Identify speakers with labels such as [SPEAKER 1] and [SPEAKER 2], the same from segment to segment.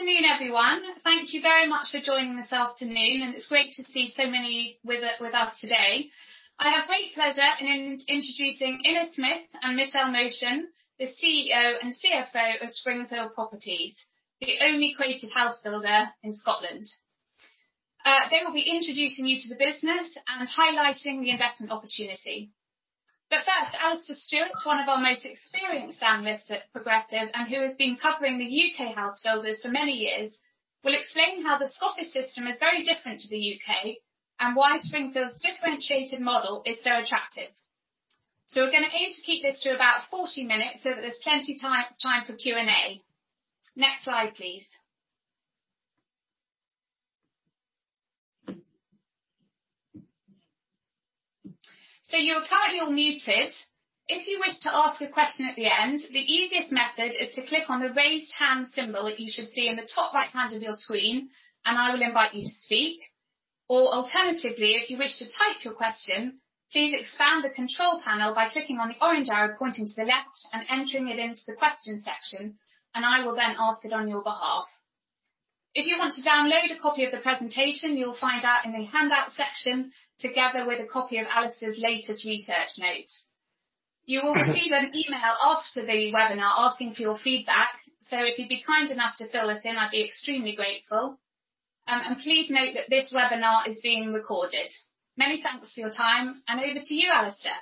[SPEAKER 1] Good afternoon, everyone. Thank you very much for joining this afternoon, and it's great to see so many with us today. I have great pleasure in introducing Innes Smith and Michelle Motion, the CEO and CFO of Springfield Properties, the only quoted house builder in Scotland. They will be introducing you to the business and highlighting the investment opportunity. First, Alastair Stewart, one of our most experienced analysts at Progressive and who has been covering the U.K. house builders for many years, will explain how the Scottish system is very different to the U.K. and why Springfield's differentiated model is so attractive. We're going to aim to keep this to about 40 minutes so that there's plenty time for Q&A. Next slide, please. You're currently all muted. If you wish to ask a question at the end, the easiest method is to click on the raise hand symbol that you should see in the top right-hand of your screen, and I will invite you to speak. Or alternatively, if you wish to type your question, please expand the control panel by clicking on the orange arrow pointing to the left and entering it into the question section, and I will then ask it on your behalf. If you want to download a copy of the presentation, you'll find that in the handout section, together with a copy of Alastair's latest research notes. You will receive an email after the webinar asking for your feedback, so if you'd be kind enough to fill it in, I'd be extremely grateful. Please note that this webinar is being recorded. Many thanks for your time, and over to you, Alastair.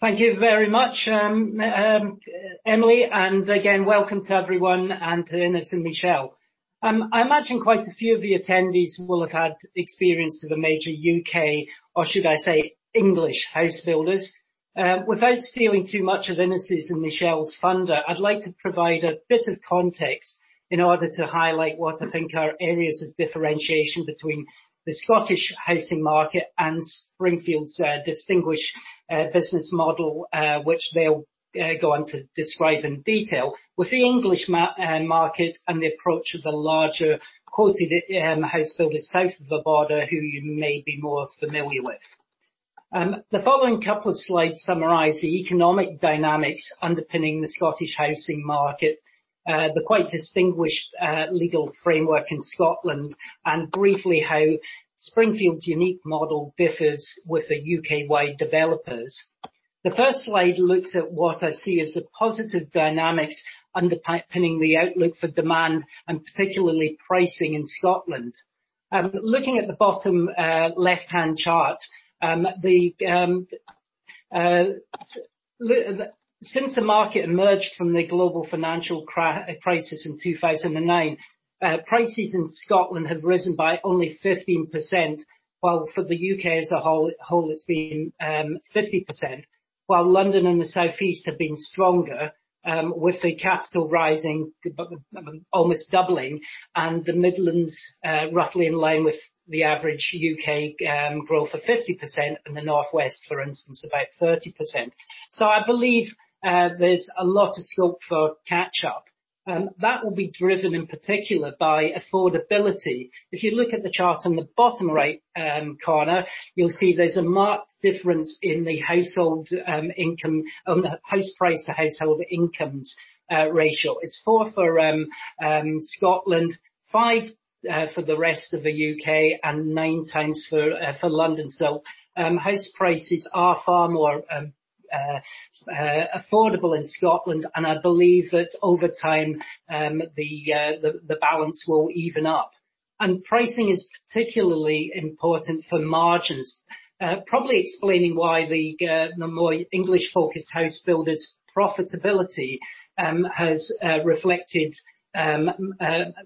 [SPEAKER 2] Thank you very much, Emily, and again, welcome to everyone and to Innes and Michelle. I imagine quite a few of the attendees will have had experience of the major U.K., or should I say, English house builders. Without stealing too much of Innes' and Michelle's thunder, I'd like to provide a bit of context in order to highlight what I think are areas of differentiation between the Scottish housing market and Springfield's distinguished business model, which they'll go on to describe in detail with the English market and the approach of the larger quoted house builders south of the border, who you may be more familiar with. The following couple of slides summarize the economic dynamics underpinning the Scottish housing market, the quite distinguished legal framework in Scotland, and briefly how Springfield's unique model differs with the U.K.-wide developers. The first slide looks at what I see as the positive dynamics underpinning the outlook for demand and particularly pricing in Scotland. Looking at the bottom left-hand chart, since the market emerged from the global financial crisis in 2009, prices in Scotland have risen by only 15%, while for the U.K. as a whole it's been 50%, while London and the Southeast have been stronger, with the capital rising, almost doubling, and the Midlands roughly in line with the average U.K. growth of 50%, and the Northwest, for instance, about 30%. I believe there's a lot of scope for catch-up. That will be driven in particular by affordability. If you look at the chart in the bottom right corner, you'll see there's a marked difference in the house price to household incomes ratio. It's four for Scotland, five for the rest of the U.K., and 9x for London. House prices are far more affordable in Scotland, and I believe that over time, the balance will even up. Pricing is particularly important for margins, probably explaining why the more English-focused house builders profitability has reflected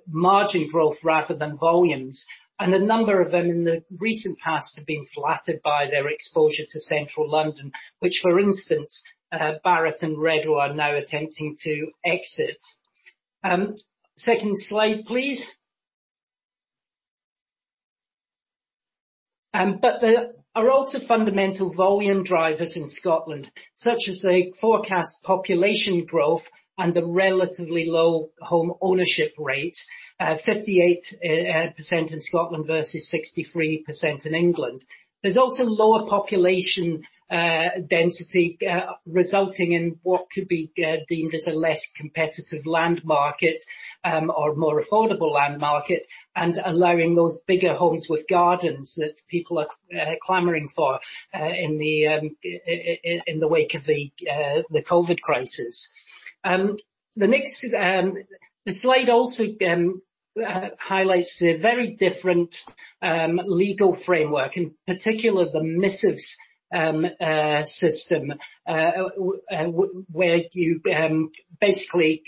[SPEAKER 2] margin growth rather than volumes. A number of them in the recent past have been flattered by their exposure to Central London, which, for instance, Barratt and Redrow are now attempting to exit. Second slide, please. There are also fundamental volume drivers in Scotland, such as the forecast population growth and the relatively low home ownership rate, 58% in Scotland versus 63% in England. There's also lower population density, resulting in what could be deemed as a less competitive land market or more affordable land market, and allowing those bigger homes with gardens that people are clamoring for in the wake of the COVID crisis. The slide also highlights the very different legal framework, in particular the missives system, where basically,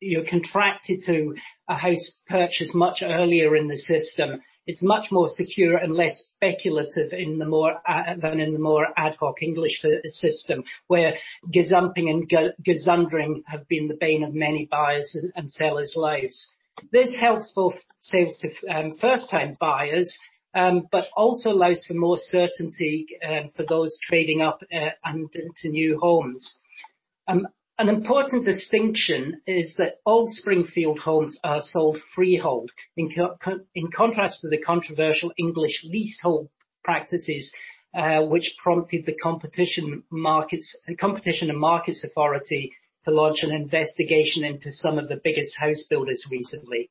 [SPEAKER 2] you're contracted to a house purchase much earlier in the system. It's much more secure and less speculative than in the more ad hoc English system, where gazumping and gazundering have been the bane of many buyers' and sellers' lives. This helps both first-time buyers but also allows for more certainty for those trading up and into new homes. An important distinction is that old Springfield homes are sold freehold, in contrast to the controversial English leasehold practices, which prompted the Competition and Markets Authority to launch an investigation into some of the biggest house builders recently.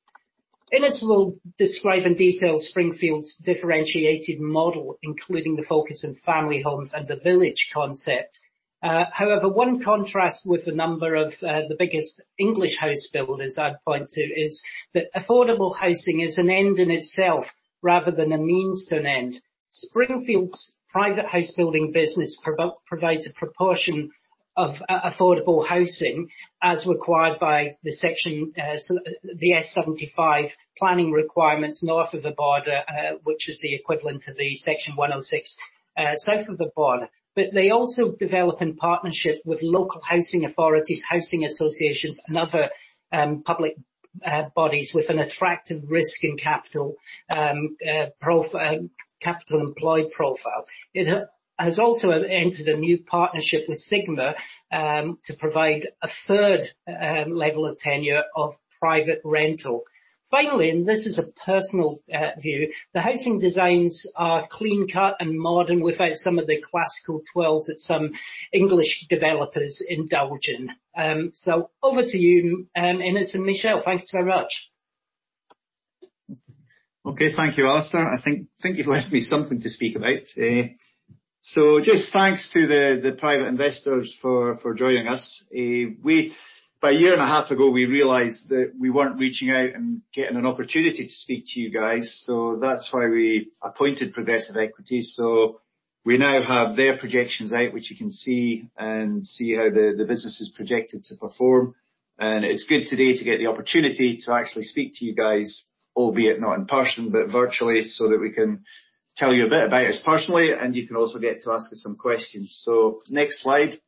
[SPEAKER 2] Innes will describe in detail Springfield's differentiated model, including the focus on family homes and the village concept. However, one contrast with the number of the biggest English house builders I'd point to is that affordable housing is an end in itself rather than a means to an end. Springfield's private house building business provides a proportion of affordable housing as required by the S75 planning requirements north of the border, which is the equivalent of the Section 106 south of the border. They also develop in partnership with local housing authorities, housing associations, and other public bodies with an attractive risk in capital employed profile. It has also entered a new partnership with Sigma, to provide a three level of tenure of private rental. Finally, this is a personal view, the housing designs are clean-cut and modern without some of the classical twirls that some English developers indulge in. Over to you, Innes and Michelle. Thanks very much.
[SPEAKER 3] Okay. Thank you, Alastair. I think you've left me something to speak about. Just thanks to the private investors for joining us. By a year and a half ago, we realized that we weren't reaching out and getting an opportunity to speak to you guys, that's why we appointed Progressive Equity Research. We now have their projections out, which you can see, and see how the business is projected to perform. It's good today to get the opportunity to actually speak to you guys, albeit not in person, but virtually, that we can tell you a bit about us personally, and you can also get to ask us some questions. Next slide.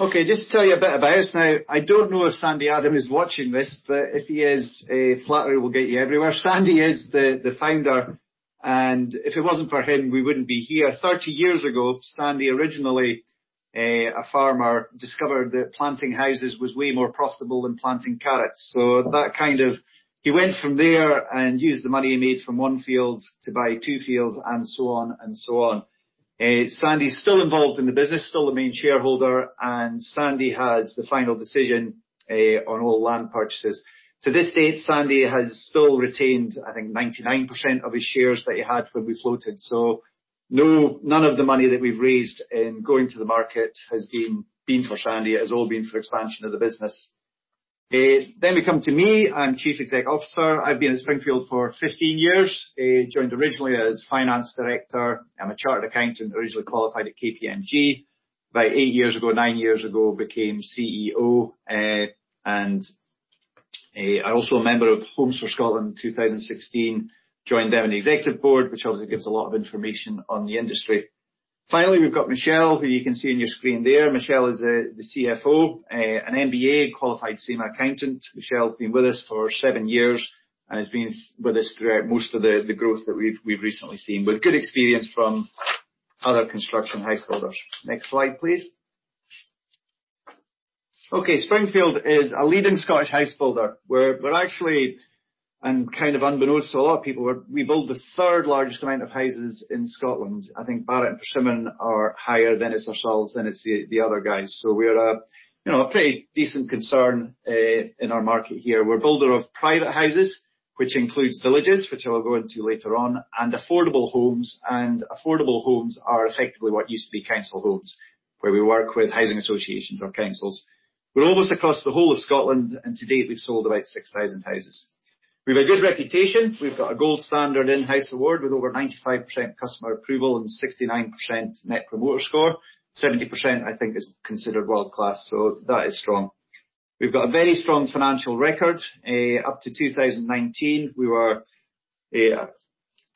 [SPEAKER 3] Okay, just to tell you a bit about us. I don't know if Sandy Adam is watching this, but if he is, flattery will get you everywhere. Sandy is the founder, and if it wasn't for him, we wouldn't be here. 30 years ago, Sandy, originally a farmer, discovered that planting houses was way more profitable than planting carrots. He went from there and used the money he made from one field to buy two fields, and so on. Sandy's still involved in the business, still the main shareholder, and Sandy has the final decision on all land purchases. To this date, Sandy has still retained, I think, 99% of his shares that he had when we floated. None of the money that we've raised in going to the market has been for Sandy. It has all been for expansion of the business. We come to me. I'm Chief Exec Officer. I've been at Springfield for 15 years. Joined originally as Finance Director. I'm a chartered accountant, originally qualified at KPMG. About eight years ago, nine years ago, I became CEO. I'm also a member of Homes for Scotland 2016. Joined them in the executive board, which obviously gives a lot of information on the industry. Finally, we've got Michelle, who you can see on your screen there. Michelle is the CFO, an MBA qualified CIMA accountant. Michelle's been with us for seven years, and has been with us throughout most of the growth that we've recently seen, with good experience from other construction housebuilders. Next slide, please. Okay. Springfield is a leading Scottish housebuilder. We're actually, and kind of unbeknownst to a lot of people, we build the third largest amount of houses in Scotland. I think Barratt and Persimmon are higher, it's ourselves, it's the other guys. We are a pretty decent concern in our market here. We're a builder of private houses, which includes villages, which I will go into later on, and affordable homes. Affordable homes are effectively what used to be council homes, where we work with housing associations or councils. We're almost across the whole of Scotland, and to date, we've sold about 6,000 houses. We've a good reputation. We've got a gold standard in-house award with over 95% customer approval and 69% net promoter score. 70%, I think, is considered world-class, so that is strong. We've got a very strong financial record. Up to 2019, we were at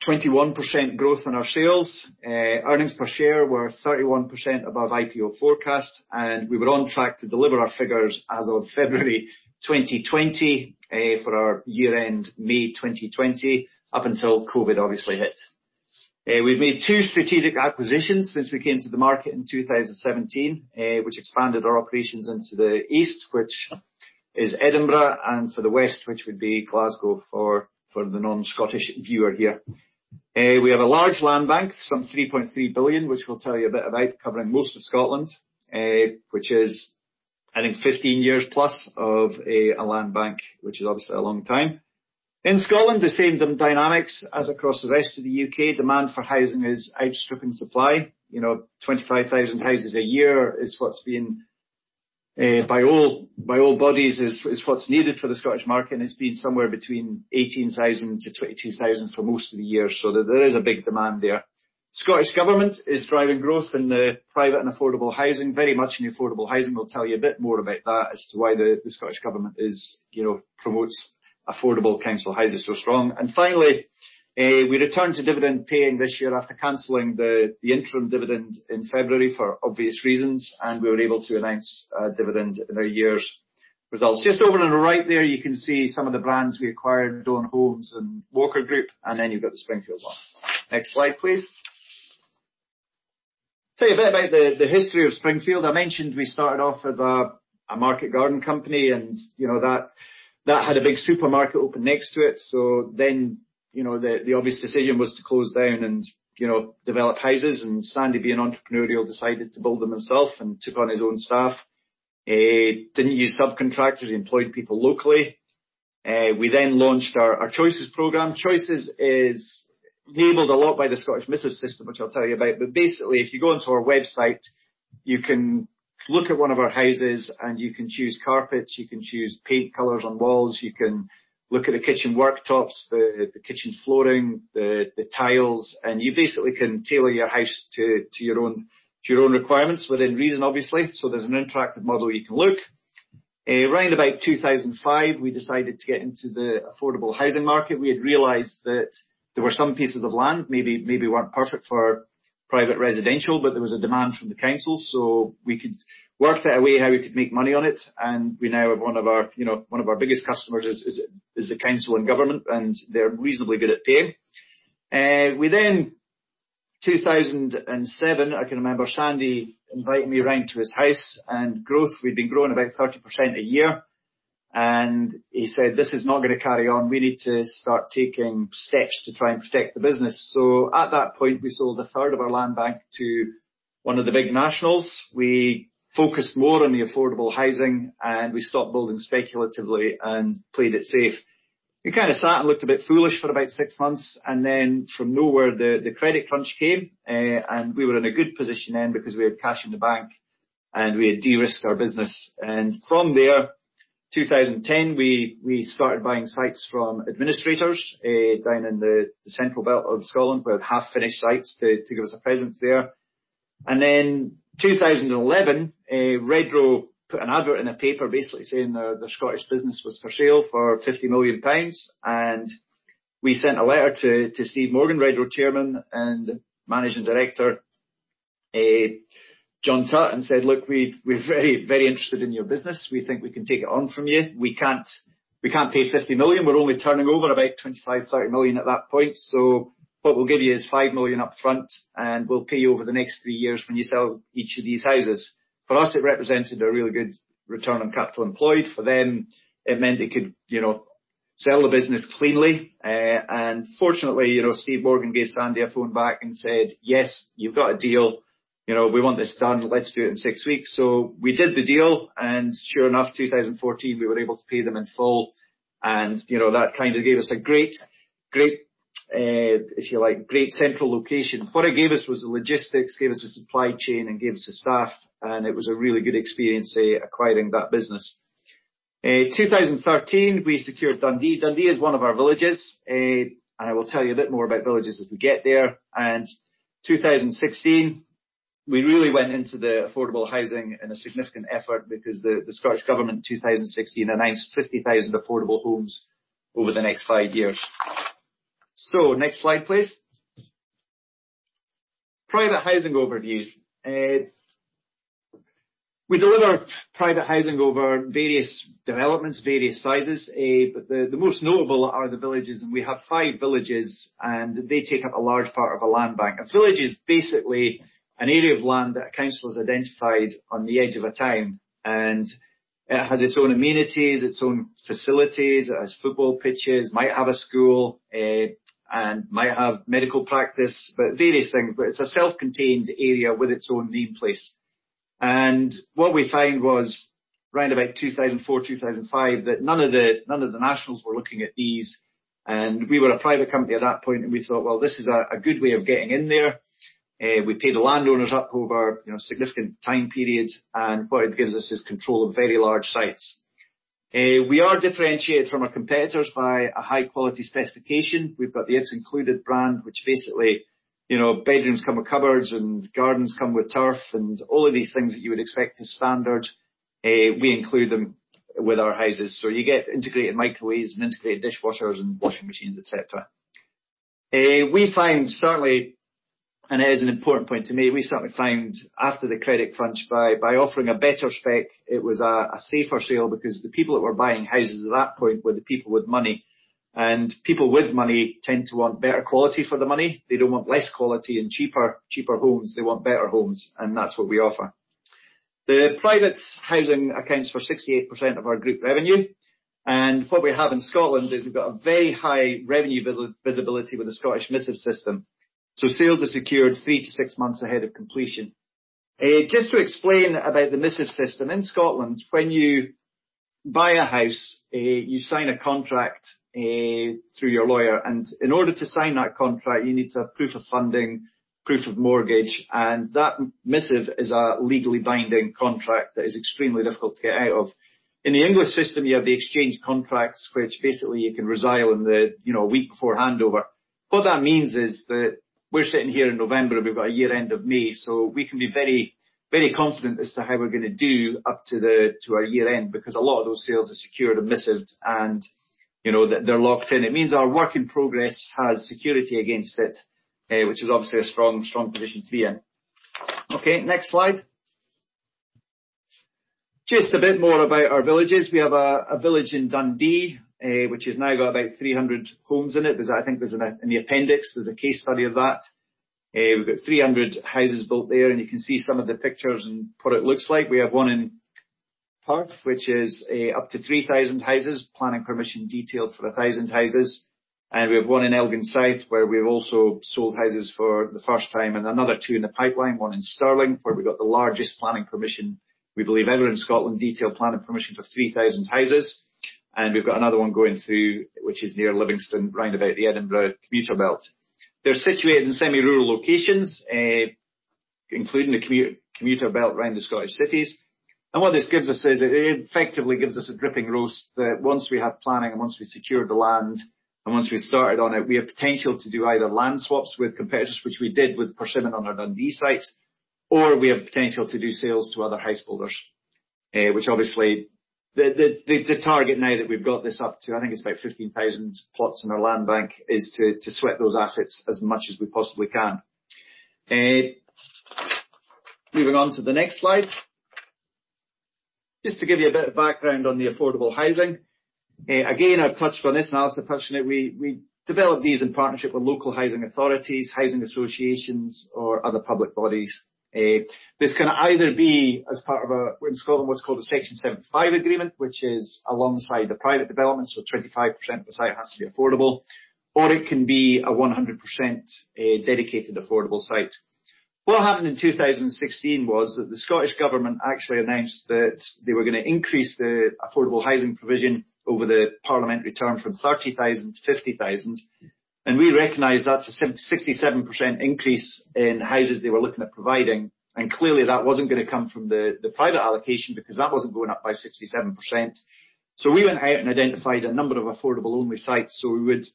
[SPEAKER 3] 21% growth in our sales. Earnings per share were 31% above IPO forecast, and we were on track to deliver our figures as of February 2020 for our year end May 2020, up until COVID obviously hit. We've made two strategic acquisitions since we came to the market in 2017, which expanded our operations into the east, which is Edinburgh, and for the west, which would be Glasgow for the non-Scottish viewer here. We have a large land bank, some 3.3 billion, which we'll tell you a bit about, covering most of Scotland, which is I think 15 years plus of a land bank, which is obviously a long time. In Scotland, the same dynamics as across the rest of the U.K. Demand for housing is outstripping supply. 25,000 houses a year is what's been, by all bodies, is what's needed for the Scottish market, and it's been somewhere between 18,000 to 22,000 for most of the year. There is a big demand there. Scottish government is driving growth in the private and affordable housing, very much in the affordable housing. We'll tell you a bit more about that as to why the Scottish government promotes affordable council houses so strong. Finally, we return to dividend paying this year after canceling the interim dividend in February for obvious reasons, and we were able to announce a dividend in our year's results. Just over on the right there, you can see some of the brands we acquired, Dawn Homes and Walker Group, and then you've got the Springfield one. Next slide, please. Tell you a bit about the history of Springfield. I mentioned we started off as a market garden company, and that had a big supermarket open next to it. The obvious decision was to close down and develop houses. Sandy, being entrepreneurial, decided to build them himself and took on his own staff. Didn't use subcontractors. Employed people locally. We launched our Choices program. Choices is labeled a lot by the Scottish missive system, which I'll tell you about. Basically, if you go onto our website, you can look at one of our houses, and you can choose carpets, you can choose paint colors on walls, you can look at the kitchen worktops, the kitchen flooring, the tiles, and you basically can tailor your house to your own requirements, within reason obviously. There's an interactive model where you can look. Around about 2005, we decided to get into the affordable housing market. We had realized that there were some pieces of land, maybe weren't perfect for private residential, but there was a demand from the council, so we could work out a way how we could make money on it. We now have one of our biggest customers is the council and government, and they're reasonably good at paying. We, 2007, I can remember Sandy inviting me around to his house. Growth, we'd been growing about 30% a year, and he said, "This is not going to carry on. We need to start taking steps to try and protect the business." At that point, we sold a third of our land bank to one of the big nationals. We focused more on the affordable housing, and we stopped building speculatively and played it safe. We kind of sat and looked a bit foolish for about six months, and then from nowhere, the credit crunch came. We were in a good position then because we had cash in the bank, and we had de-risked our business. From there, 2010, we started buying sites from administrators, down in the central belt of Scotland. We had half-finished sites to give us a presence there. Then 2011, Redrow put an advert in a paper basically saying their Scottish business was for sale for 50 million pounds. We sent a letter to Steve Morgan, Redrow chairman, and managing director, John Tutte, and said, "Look, we're very, very interested in your business. We think we can take it on from you. We can't pay 50 million. We're only turning over about 25 million, 30 million," at that point. "What we'll give you is 5 million up front, and we'll pay you over the next three years when you sell each of these houses." For us, it represented a really good return on capital employed. For them, it meant they could sell the business cleanly. Fortunately, Steve Morgan gave Sandy a phone back and said, "Yes, you've got a deal. We want this done. Let's do it in six weeks." We did the deal, and sure enough, 2014, we were able to pay them in full. That kind of gave us a great, if you like, great central location. What it gave us was the logistics, gave us the supply chain, and gave us the staff, and it was a really good experience acquiring that business. 2013, we secured Dundee. Dundee is one of our villages. I will tell you a bit more about villages as we get there. 2016, we really went into the affordable housing in a significant effort because the Scottish Government in 2016 announced 50,000 affordable homes over the next five years. Next slide, please. Private housing overview. We deliver private housing over various developments, various sizes. The most notable are the villages, and we have five villages, and they take up a large part of our land bank. A village is basically an area of land that a council has identified on the edge of a town, and it has its own amenities, its own facilities. It has football pitches, might have a school, and might have medical practice. Various things, but it's a self-contained area with its own nameplate. What we found was around about 2004, 2005, that none of the nationals were looking at these. We were a private company at that point, and we thought, "Well, this is a good way of getting in there." We paid the landowners up over significant time periods, and what it gives us is control of very large sites. We are differentiated from our competitors by a high-quality specification. We've got the It's Included brand, which basically, bedrooms come with cupboards, gardens come with turf, all of these things that you would expect as standard, we include them with our houses. You get integrated microwaves and integrated dishwashers and washing machines, et cetera. We find certainly, it is an important point to make, we certainly found after the credit crunch, by offering a better spec, it was a safer sale because the people that were buying houses at that point were the people with money. People with money tend to want better quality for their money. They don't want less quality and cheaper homes. They want better homes, that's what we offer. The private housing accounts for 68% of our group revenue. What we have in Scotland is we've got a very high revenue visibility with the Scottish missive system. Sales are secured three to six months ahead of completion. Just to explain about the missives system. In Scotland, when you buy a house, you sign a contract through your lawyer. In order to sign that contract, you need to have proof of funding, proof of mortgage, and that missive is a legally binding contract that is extremely difficult to get out of. In the English system, you have the exchange contracts, which basically you can resile in the week before handover. What that means is that we're sitting here in November, and we've got a year end of May, so we can be very confident as to how we're going to do up to our year end because a lot of those sales are secured and missived, and they're locked in. It means our work in progress has security against it, which is obviously a strong position to be in. Okay, next slide. Just a bit more about our villages. We have a village in Dundee, which has now got about 300 homes in it. I think in the appendix, there's a case study of that. We've got 300 houses built there, and you can see some of the pictures and what it looks like. We have one in Perth, which is up to 3,000 houses, planning permission detailed for 1,000 houses. We have one in Elgin South, where we've also sold houses for the first time. Another two in the pipeline, one in Stirling, where we've got the largest planning permission, we believe, ever in Scotland, detailed planning permission for 3,000 houses. We've got another one going through, which is near Livingston, round about the Edinburgh commuter belt. They're situated in semi-rural locations, including the commuter belt around the Scottish cities. What this gives us is, it effectively gives us a dripping roast that once we have planning, once we secure the land, once we've started on it, we have potential to do either land swaps with competitors, which we did with Persimmon on our Dundee site, or we have potential to do sales to other house builders. Obviously, the target now that we've got this up to, I think, it's about 15,000 plots in our land bank, is to sweat those assets as much as we possibly can. Moving on to the next slide. Just to give you a bit of background on the affordable housing. Again, I've touched on this, Alastair touched on it. We developed these in partnership with local housing authorities, housing associations or other public bodies. This can either be as part of in Scotland, what's called a Section 75 agreement, which is alongside the private development, so 25% of the site has to be affordable, or it can be a 100% dedicated affordable site. What happened in 2016 was that the Scottish Government actually announced that they were going to increase the affordable housing provision over the parliamentary term from 30,000 to 50,000. We recognize that's a 67% increase in houses they were looking at providing, and clearly that wasn't going to come from the private allocation because that wasn't going up by 67%. We went out and identified a number of affordable-only sites. We would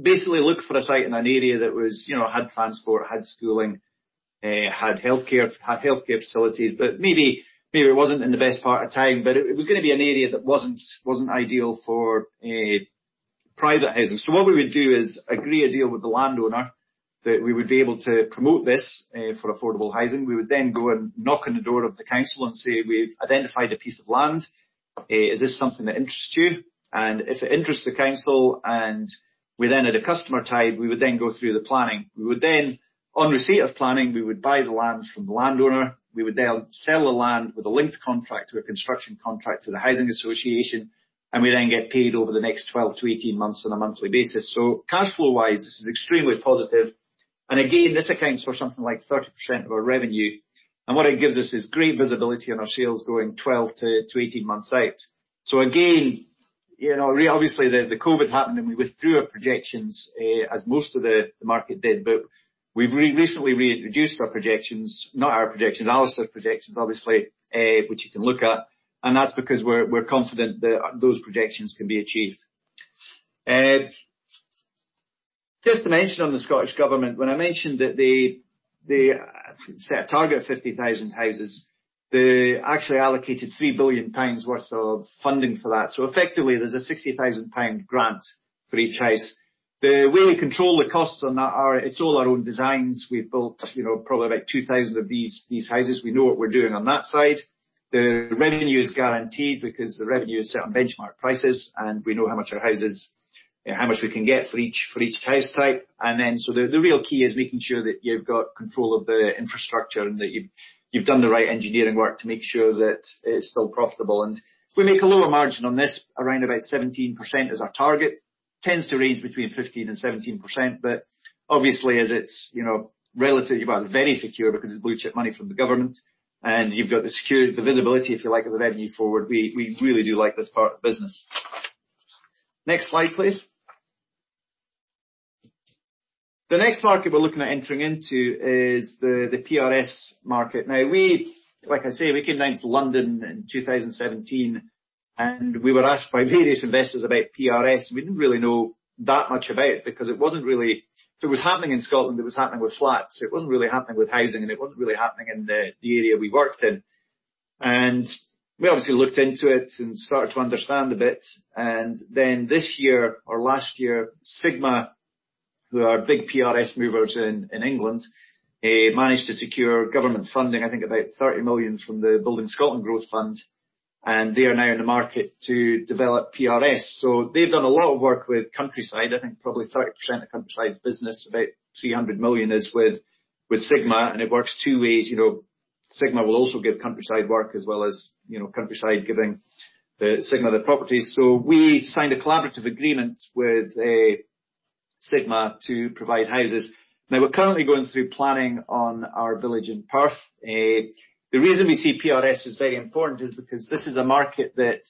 [SPEAKER 3] basically look for a site in an area that had transport, had schooling, had healthcare facilities. Maybe it wasn't in the best part of town, but it was going to be an area that wasn't ideal for private housing. What we would do is agree a deal with the landowner that we would be able to promote this for affordable housing. We would go and knock on the door of the council and say, "We've identified a piece of land. Is this something that interests you?" If it interests the council, and we then had a customer tied, we would then go through the planning. On receipt of planning, we would buy the land from the landowner. We would sell the land with a linked contract to a construction contract to the housing association, and we then get paid over the next 12 to 18 months on a monthly basis. Cash flow-wise, this is extremely positive. Again, this accounts for something like 30% of our revenue. What it gives us is great visibility on our sales going 12 to 18 months out. Again, obviously the COVID happened and we withdrew our projections, as most of the market did. We've recently reintroduced our projections. Not our projections, Alastair's projections, obviously, which you can look at. That's because we're confident that those projections can be achieved. Just to mention on the Scottish Government, when I mentioned that they set a target of 50,000 houses, they actually allocated 3 billion pounds worth of funding for that. Effectively, there's a 60,000 pound grant for each house. The way we control the costs on that are, it's all our own designs. We've built probably about 2,000 of these houses. We know what we're doing on that side. The revenue is guaranteed because the revenue is set on benchmark prices, and we know how much we can get for each house type. The real key is making sure that you've got control of the infrastructure and that you've done the right engineering work to make sure that it's still profitable. We make a lower margin on this. Around about 17% is our target. Tends to range between 15% and 17%. Obviously as it's relatively, well, it's very secure because it's blue-chip money from the government, you've got the visibility, if you like, of the revenue forward. We really do like this part of the business. Next slide, please. The next market we're looking at entering into is the PRS market. Like I say, we came down to London in 2017, and we were asked by various investors about PRS, and we didn't really know that much about it because it wasn't really if it was happening in Scotland, it was happening with flats. It wasn't really happening with housing, and it wasn't really happening in the area we worked in. We obviously looked into it and started to understand a bit. This year or last year, Sigma, who are big PRS movers in England, managed to secure government funding, I think about 30 million, from the Building Scotland Growth Fund, and they are now in the market to develop PRS. They've done a lot of work with Countryside. I think probably 30% of Countryside's business, about 300 million, is with Sigma, and it works two ways. Sigma will also give Countryside work as well as Countryside giving Sigma the properties. We signed a collaborative agreement with Sigma to provide houses. Now, we're currently going through planning on our village in Perth. The reason we see PRS as very important is because this is a market that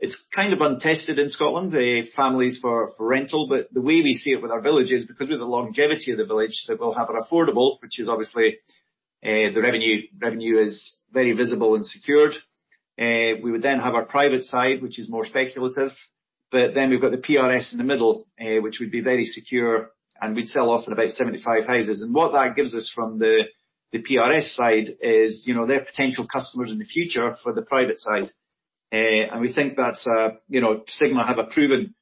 [SPEAKER 3] it's kind of untested in Scotland, families for rental. The way we see it with our village is because with the longevity of the village, that we'll have an affordable, which is obviously the revenue is very visible and secured. We would then have our private side, which is more speculative, but then we've got the PRS in the middle, which would be very secure, and we'd sell off at about 75 houses. What that gives us from the PRS side is, they're potential customers in the future for the private side. We think that Sigma have a proven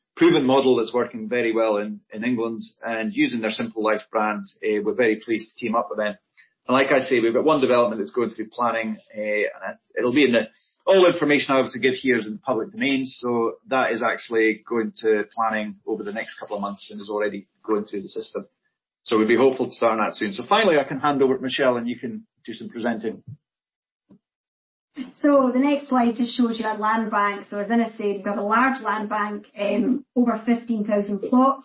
[SPEAKER 3] model that's working very well in England. Using their Simple Life brand, we're very pleased to team up with them. Like I say, we've got one development that's going through planning. All information I obviously give here is in the public domain. That is actually going to planning over the next couple of months, and is already going through the system. We'd be hopeful to start on that soon. Finally, I can hand over to Michelle, and you can do some presenting.
[SPEAKER 4] The next slide just shows you our land bank. As Innes said, we have a large land bank, over 15,000 plots.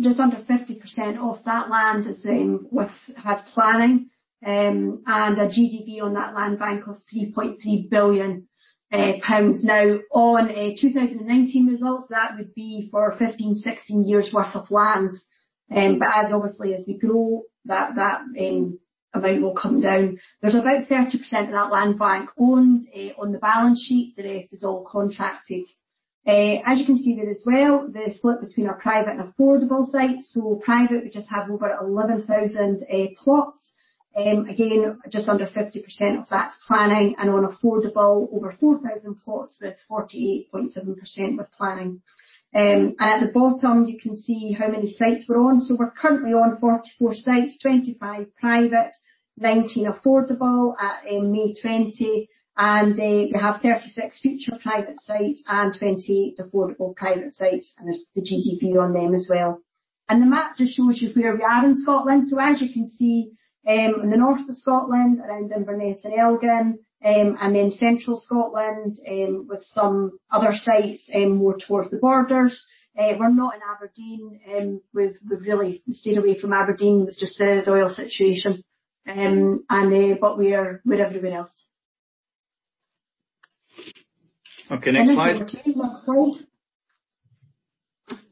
[SPEAKER 4] Just under 50% of that land has planning, and a GDV on that land bank of 3.3 billion pounds. On 2019 results, that would be for 15, 16 years' worth of land. As obviously as we grow, that amount will come down. There's about 30% of that land bank owned on the balance sheet, the rest is all contracted. You can see there as well, the split between our private and affordable sites. Private, we just have over 11,000 plots. Again, just under 50% of that's planning. On affordable, over 4,000 plots, with 48.7% with planning. At the bottom you can see how many sites we're on. We're currently on 44 sites, 25 private, 19 affordable at May 2020. We have 36 future private sites and 28 affordable private sites, and there's the GDV on them as well. The map just shows you where we are in Scotland. As you can see, in the north of Scotland around Inverness and Elgin, then central Scotland, with some other sites more towards the borders. We're not in Aberdeen. We've really stayed away from Aberdeen with just the oil situation. We are with everyone else.
[SPEAKER 3] Okay, next slide.
[SPEAKER 4] Then it's our team slide.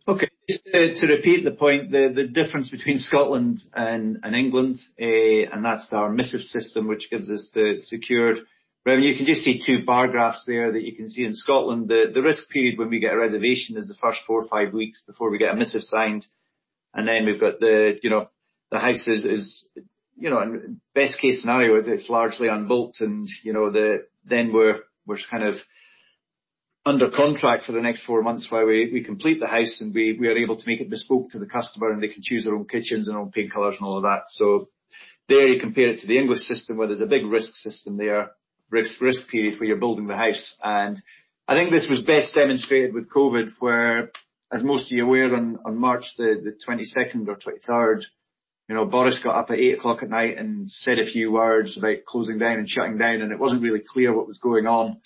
[SPEAKER 3] Okay. Just to repeat the point, the difference between Scotland and England, and that's our missives system, which gives us the secured revenue. You can just see two bar graphs there that you can see in Scotland, the risk period when we get a reservation is the first four or five weeks before we get a missive signed. Then we've got the houses, and best case scenario, it's largely on built and then we're just kind of under contract for the next four months while we complete the house and we are able to make it bespoke to the customer and they can choose their own kitchens, their own paint colors and all of that. There you compare it to the English system where there's a big risk system there, risk period where you're building the house. I think this was best demonstrated with COVID where, as most of you are aware, on March 22nd or 23rd, Boris got up at 8:00 P.M. and said a few words about closing down and shutting down, and it wasn't really clear what was going on.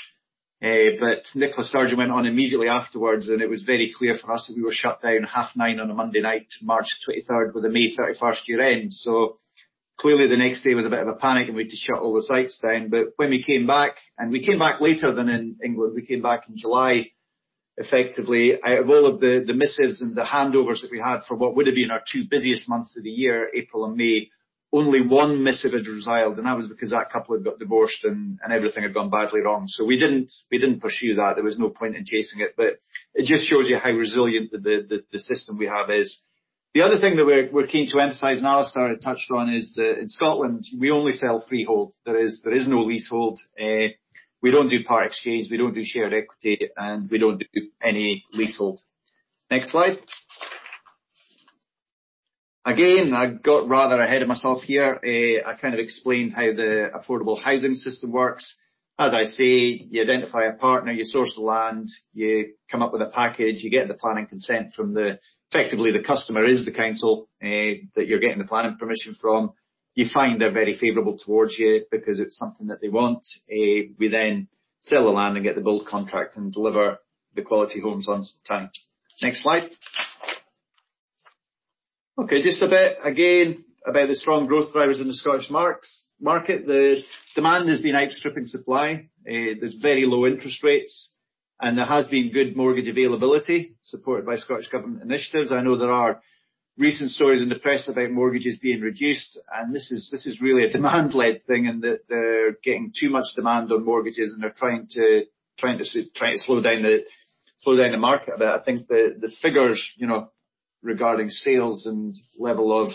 [SPEAKER 3] Nicola Sturgeon went on immediately afterwards and it was very clear for us that we were shut down 9:30 P.M. on a Monday night, March 23rd, with a May 31st year end. Clearly the next day was a bit of a panic and we had to shut all the sites down. When we came back, and we came back later than in England, we came back in July, effectively, out of all of the missives and the handovers that we had for what would've been our two busiest months of the year, April and May, only one missive had resiled, and that was because that couple had got divorced and everything had gone badly wrong. We didn't pursue that. There was no point in chasing it. It just shows you how resilient the system we have is. The other thing that we're keen to emphasize, and Alastair had touched on, is that in Scotland we only sell freehold. There is no leasehold. We don't do part exchange, we don't do shared equity and we don't do any leasehold. Next slide. Again, I got rather ahead of myself here. I kind of explained how the affordable housing system works. As I say, you identify a partner, you source the land, you come up with a package, you get the planning consent from the Effectively the customer is the council that you're getting the planning permission from. You find they're very favorable towards you because it's something that they want. We sell the land and get the build contract and deliver the quality homes on time. Next slide. Okay. Just a bit again about the strong growth drivers in the Scottish market. The demand has been outstripping supply. There's very low interest rates and there has been good mortgage availability supported by Scottish Government initiatives. This is really a demand-led thing in that they're getting too much demand on mortgages and they're trying to slow down the market a bit. I think the figures regarding sales and level of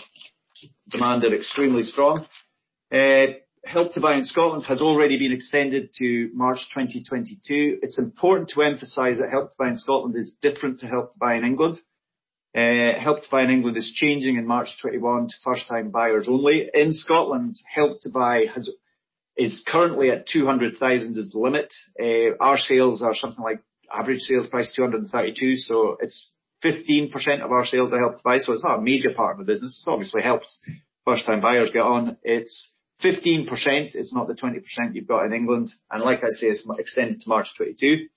[SPEAKER 3] demand are extremely strong. Help to Buy in Scotland has already been extended to March 2022. It's important to emphasize that Help to Buy in Scotland is different to Help to Buy in England. Help to Buy in England is changing in March 2021 to first-time buyers only. In Scotland, Help to Buy is currently at 200,000 is the limit. Our sales are something like average sales price 232,000, so it's 15% of our sales are Help to Buy. It's not a major part of the business. It obviously helps first-time buyers get on. It's 15%, it's not the 20% you've got in England. Like I say, it's extended to March 2022.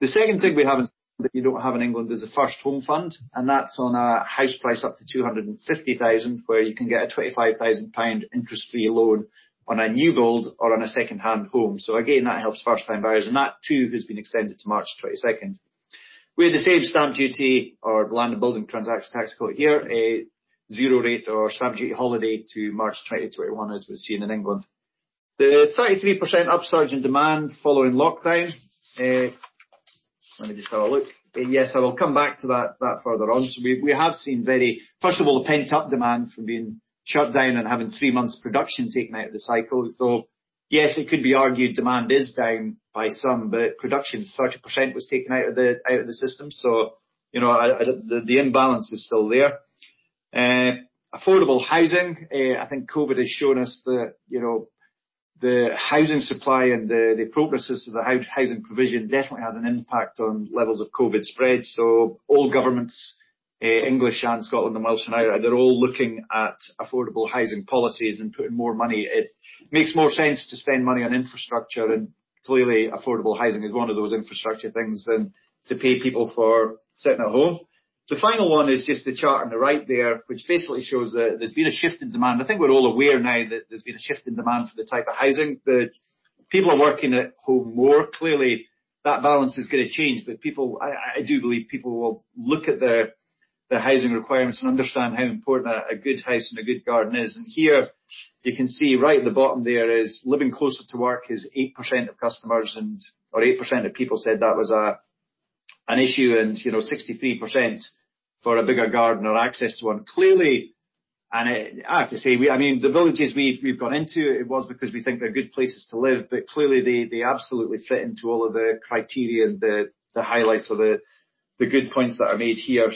[SPEAKER 3] The second thing we have in Scotland that you don't have in England is the First Home Fund. That's on a house price up to 250,000 where you can get a 25,000 pound interest-free loan on a new build or on a second-hand home. Again, that helps first time buyers, and that too has been extended to March 2022. We have the same stamp duty or Land and Buildings Transaction Tax code here, a zero rate or stamp duty holiday to March 2021 as was seen in England. The 33% upsurge in demand following lockdown. Let me just have a look. Yes, I will come back to that further on. We have seen very First of all, the pent-up demand from being shut down and having three months production taken out of the cycle. Yes, it could be argued demand is down by some, but production, 30% was taken out of the system, so the imbalance is still there. Affordable housing, I think COVID has shown us that, the housing supply and the progress of the housing provision definitely has an impact on levels of COVID spread. All governments, England and Scotland and Wales and Ireland, they're all looking at affordable housing policies and putting more money. It makes more sense to spend money on infrastructure, and clearly affordable housing is one of those infrastructure things, than to pay people for sitting at home. The final one is just the chart on the right there, which basically shows that there's been a shift in demand. I think we're all aware now that there's been a shift in demand for the type of housing. The people are working at home more. That balance is going to change. I do believe people will look at their housing requirements and understand how important a good house and a good garden is. Here you can see right at the bottom there is living closer to work is 8% of customers, or 8% of people said that was an issue, 63% for a bigger garden or access to one. I have to say, the villages we've gone into, it was because we think they're good places to live, clearly they absolutely fit into all of the criteria and the highlights or the good points that are made here.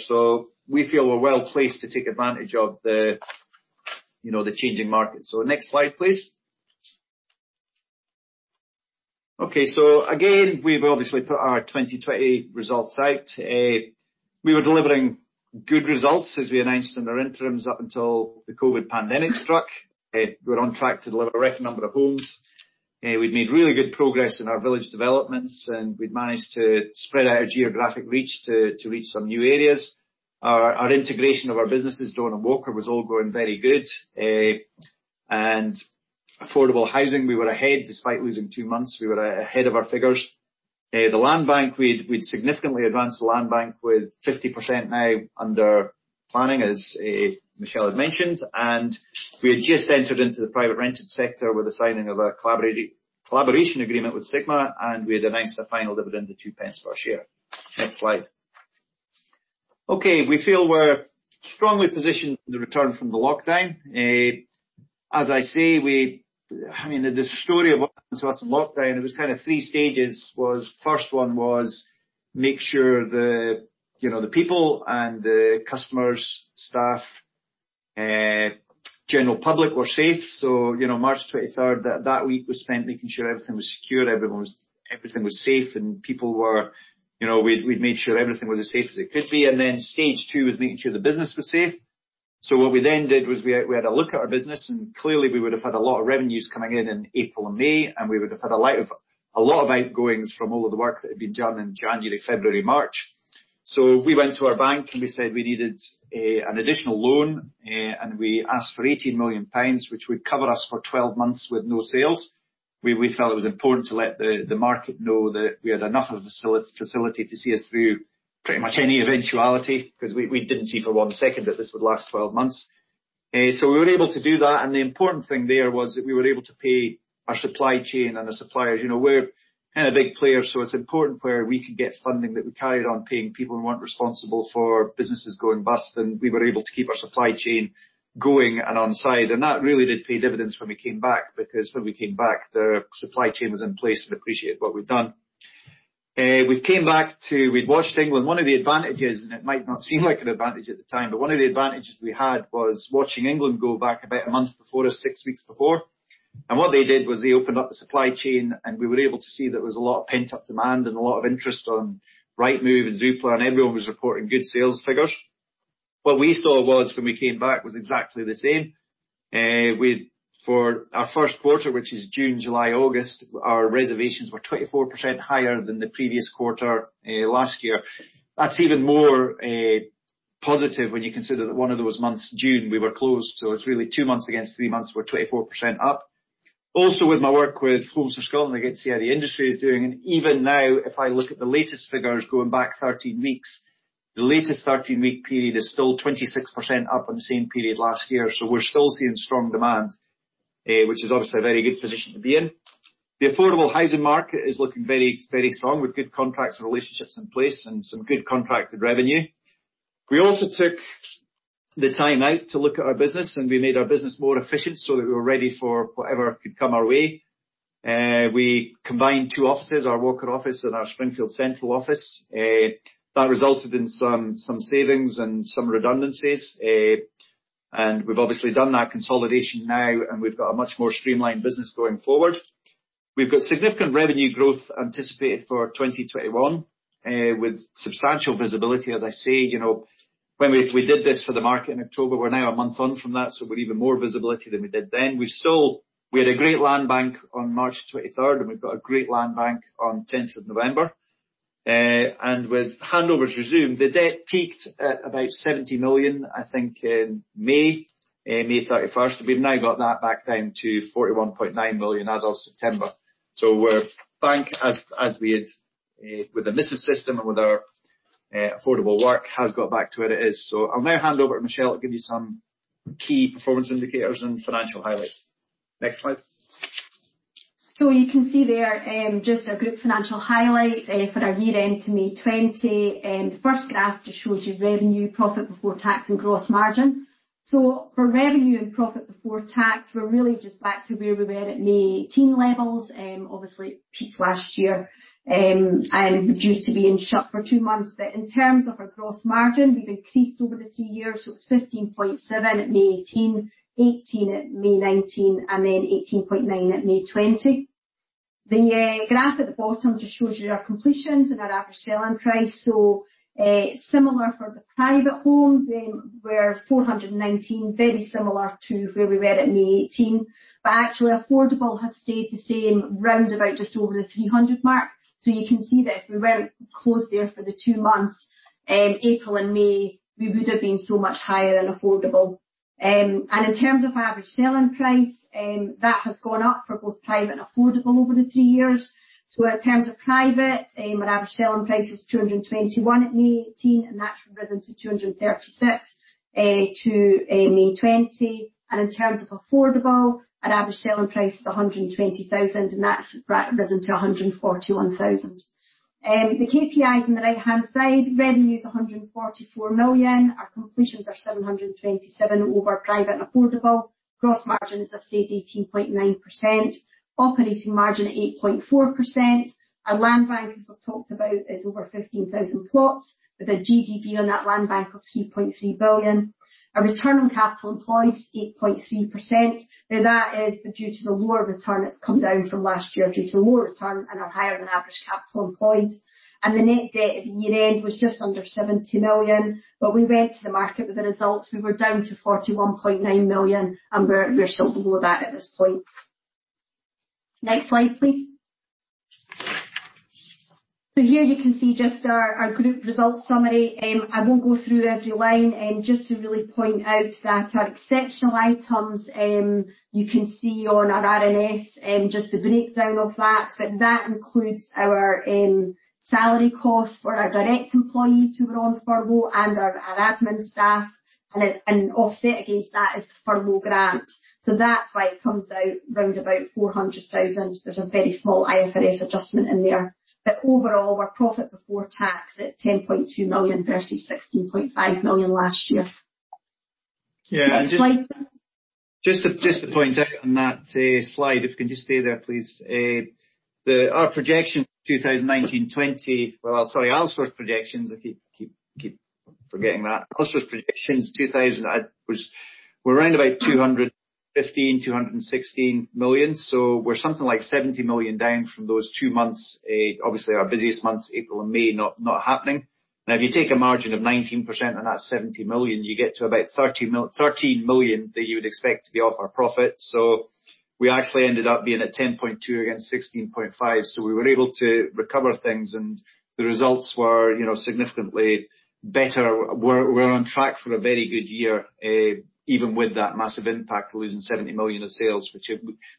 [SPEAKER 3] We feel we're well-placed to take advantage of the changing market. Next slide, please. Okay. Again, we've obviously put our 2020 results out. We were delivering good results, as we announced in our interims, up until the COVID pandemic struck. We were on track to deliver a record number of homes. We'd made really good progress in our village developments, and we'd managed to spread out our geographic reach to reach some new areas. Our integration of our businesses, Dawn and Walker, was all going very good. Affordable housing, we were ahead despite losing two months. We were ahead of our figures. The land bank, we'd significantly advanced the land bank with 50% now under planning, as Michelle had mentioned. We had just entered into the private rented sector with the signing of a collaboration agreement with Sigma, and we had announced a final dividend of 0.02 per share. Next slide. Okay. We feel we're strongly positioned in the return from the lockdown. As I say, I mean, the story of what happened to us in lockdown, it was kind of three stages. Stage 1 was make sure the people and the customers, staff, general public were safe. March 23rd, that week was spent making sure everything was secure, everything was safe, and we'd made sure everything was as safe as it could be. Stage 2 was making sure the business was safe. What we then did was we had a look at our business. Clearly we would have had a lot of revenues coming in in April and May, we would have had a lot of outgoings from all of the work that had been done in January, February, March. We went to our bank, and we said we needed an additional loan, and we asked for 18 million pounds, which would cover us for 12 months with no sales. We felt it was important to let the market know that we had enough of facility to see us through pretty much any eventuality, because we didn't see for one second that this would last 12 months. We were able to do that, and the important thing there was that we were able to pay our supply chain and our suppliers. We're kind of big players, so it's important where we could get funding, that we carried on paying people and weren't responsible for businesses going bust, and we were able to keep our supply chain going and on side. That really did pay dividends when we came back, because when we came back, the supply chain was in place and appreciated what we'd done. We'd watched England. One of the advantages, and it might not seem like an advantage at the time, but one of the advantages we had was watching England go back about a month before or six weeks before. What they did was they opened up the supply chain, and we were able to see there was a lot of pent-up demand and a lot of interest on Rightmove and Zoopla, and everyone was reporting good sales figures. What we saw was when we came back was exactly the same. For our first quarter, which is June, July, August, our reservations were 24% higher than the previous quarter, last year. That's even more positive when you consider that one of those months, June, we were closed. It's really two months against three months, we're 24% up. With my work with Homes for Scotland, I get to see how the industry is doing, and even now, if I look at the latest figures going back 13 weeks, the latest 13-week period is still 26% up on the same period last year. We're still seeing strong demand, which is obviously a very good position to be in. The affordable housing market is looking very, very strong with good contracts and relationships in place and some good contracted revenue. We also took the time out to look at our business, and we made our business more efficient so that we were ready for whatever could come our way. We combined two offices, our Walker office and our Springfield Central office. That resulted in some savings and some redundancies. We've obviously done that consolidation now, and we've got a much more streamlined business going forward. We've got significant revenue growth anticipated for 2021, with substantial visibility. As I say, when we did this for the market in October, we're now a month on from that, so we've even more visibility than we did then. We had a great land bank on March 23rd, and we've got a great land bank on 10th of November. With handovers resumed, the debt peaked at about 70 million, I think in May 31st. We've now got that back down to 41.9 million as of September. We're bank as we had, with the missives system and with our affordable work has got back to where it is. I'll now hand over to Michelle to give you some key performance indicators and financial highlights. Next slide.
[SPEAKER 4] You can see there, just a group financial highlight for our year-end to May 2020. The first graph just shows you revenue, profit before tax, and gross margin. For revenue and profit before tax, we're really just back to where we were at May 2018 levels, due to being shut for two months. Obviously, it peaked last year. In terms of our gross margin, we've increased over the three years. It's 15.7% at May 2018, 18% at May 2019, and 18.9% at May 2020. The graph at the bottom just shows you our completions and our average selling price. Similar for the private homes, they were 419, very similar to where we were at May 2018. Actually, affordable has stayed the same, round about just over the 300 mark. You can see that if we weren't closed there for the two months, April and May, we would've been so much higher in affordable. In terms of average selling price, that has gone up for both private and affordable over the three years. In terms of private, our average selling price was 221 at May 2018, and that's risen to 236 to May 2020. In terms of affordable, our average selling price was 120,000, and that's risen to 141,000. The KPIs on the right-hand side, revenue is 144 million. Our completions are 727 over private and affordable. Gross margin, as I said, 18.9%. Operating margin at 8.4%. Our land bank, as we've talked about, is over 15,000 plots with a GDV on that land bank of 3.3 billion. Our return on capital employed is 8.3%. Now that is due to the lower return that's come down from last year, due to the lower return and our higher-than-average capital employed. The net debt at the year-end was just under 70 million. We went to the market with the results. We were down to 41.9 million, and we're still below that at this point. Next slide, please. Here you can see just our group results summary. I won't go through every line. Just to really point out that our exceptional items, you can see on our RNS, just the breakdown of that. That includes our salary costs for our direct employees who were on furlough and our admin staff. Offset against that is the furlough grant. That's why it comes out round about 400,000. There's a very small IFRS adjustment in there. Overall, our profit before tax at 10.2 million versus 16.5 million last year.
[SPEAKER 3] Yeah.
[SPEAKER 4] Next slide.
[SPEAKER 3] Just to point out on that slide, if you can just stay there, please. Our projections for 2019/20. Well, sorry, Alastair's projections, I keep forgetting that. Alastair's projections were around about 215 million, 216 million. We're something like 70 million down from those two months, obviously our busiest months, April and May, not happening. Now if you take a margin of 19% on that 70 million, you get to about 13 million that you would expect to be off our profit. We actually ended up being at 10.2 million against 16.5 million. We were able to recover things, and the results were significantly better. We're on track for a very good year, even with that massive impact of losing 70 million of sales, which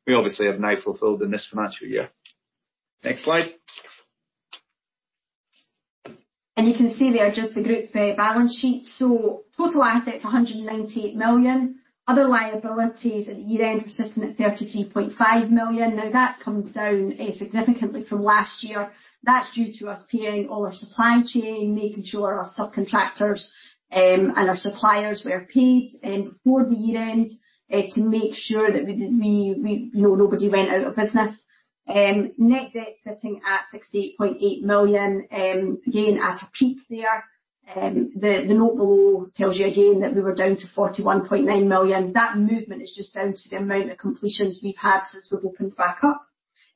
[SPEAKER 3] we obviously have now fulfilled in this financial year. Next slide.
[SPEAKER 4] You can see there just the group balance sheet. Total assets, 198 million. Other liabilities at the year-end were sitting at 33.5 million. Now that's come down significantly from last year. That's due to us paying all our supply chain, making sure our subcontractors, and our suppliers were paid before the year-end to make sure that nobody went out of business. Net debt sitting at 68.8 million. Again, at a peak there. The note below tells you again that we were down to 41.9 million. That movement is just down to the amount of completions we've had since we've opened back up.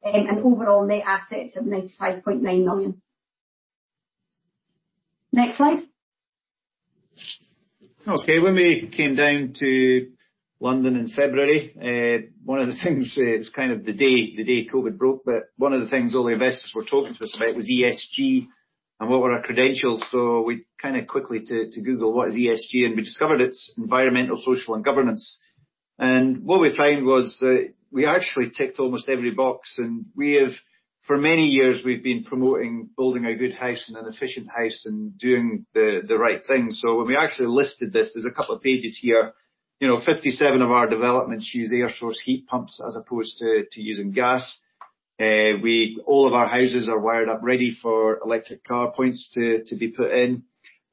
[SPEAKER 4] Overall net assets of 95.9 million. Next slide.
[SPEAKER 3] Okay. When we came down to London in February, one of the things, it was kind of the day COVID broke, but one of the things all the investors were talking to us about was ESG and what were our credentials. We kind of quickly to Google what is ESG, and we discovered it's environmental, social, and governance. What we found was that we actually ticked almost every box, and we have, for many years, we've been promoting building a good house and an efficient house and doing the right thing. When we actually listed this, there's a couple of pages here. 57 of our developments use air source heat pumps as opposed to using gas. All of our houses are wired up ready for electric car points to be put in.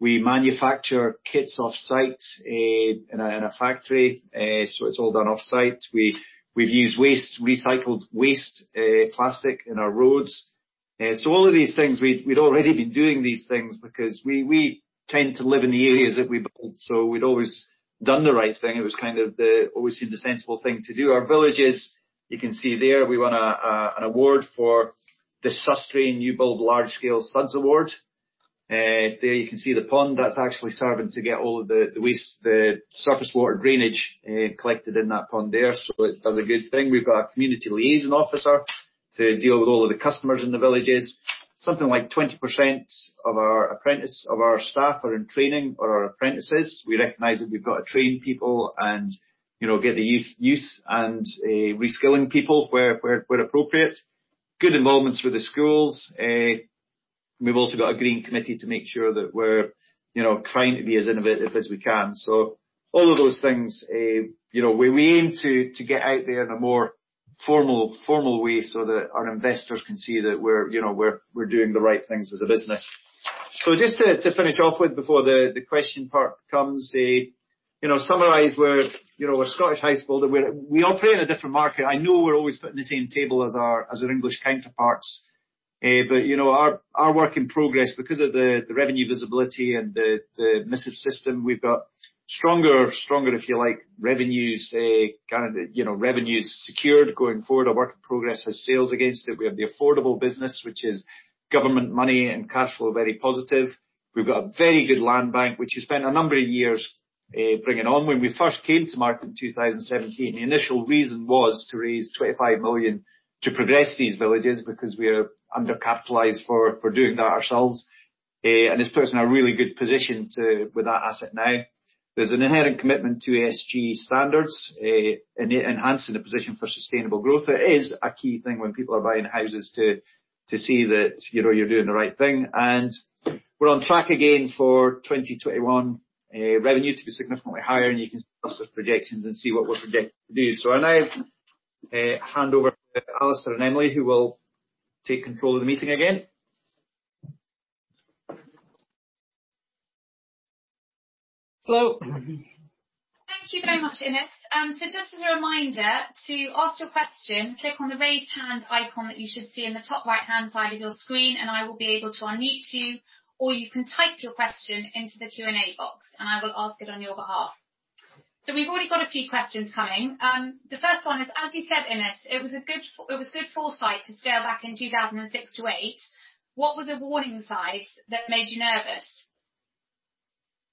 [SPEAKER 3] We manufacture kits off-site in a factory, so it's all done off-site. We've used recycled waste plastic in our roads. All of these things, we'd already been doing these things because we tend to live in the areas that we build. We'd always done the right thing. It was kind of always seemed the sensible thing to do. Our villages, you can see there, we won an award for the susdrain New Build Large Scale SuDS award. There you can see the pond. That's actually serving to get all of the waste, the surface water drainage collected in that pond there. It does a good thing. We've got a community liaison officer to deal with all of the customers in the villages. Something like 20% of our staff are in training or are apprentices. We recognize that we've got to train people and get the youth and reskilling people where appropriate. Good involvements with the schools. We've also got a green committee to make sure that we're trying to be as innovative as we can. All of those things, we aim to get out there in a more formal way so that our investors can see that we're doing the right things as a business. Just to finish off with before the question part comes, summarize where Scottish housebuilder, we operate in a different market. I know we're always put in the same table as our English counterparts. Our work in progress, because of the revenue visibility and the missive system, we've got stronger, if you like, revenues secured going forward. Our work in progress has sales against it. We have the affordable business, which is government money and cash flow, very positive. We've got a very good land bank, which we spent a number of years bringing on. When we first came to market in 2017, the initial reason was to raise 25 million to progress these villages because we are under-capitalized for doing that ourselves. It's put us in a really good position with that asset now. There's an inherent commitment to ESG standards, enhancing the position for sustainable growth. It is a key thing when people are buying houses to see that you're doing the right thing. We're on track again for 2021 revenue to be significantly higher, and you can see us with projections and see what we're projecting to do. I now hand over to Alastair and Emily, who will take control of the meeting again. Hello.
[SPEAKER 1] Thank you very much, Innes. Just as a reminder, to ask your question, click on the Raise Hand icon that you should see in the top right-hand side of your screen, and I will be able to unmute you, or you can type your question into the Q&A box, and I will ask it on your behalf. We've already got a few questions coming. The first one is, as you said, Innes, it was good foresight to scale back in 2006 to 2008. What were the warning signs that made you nervous?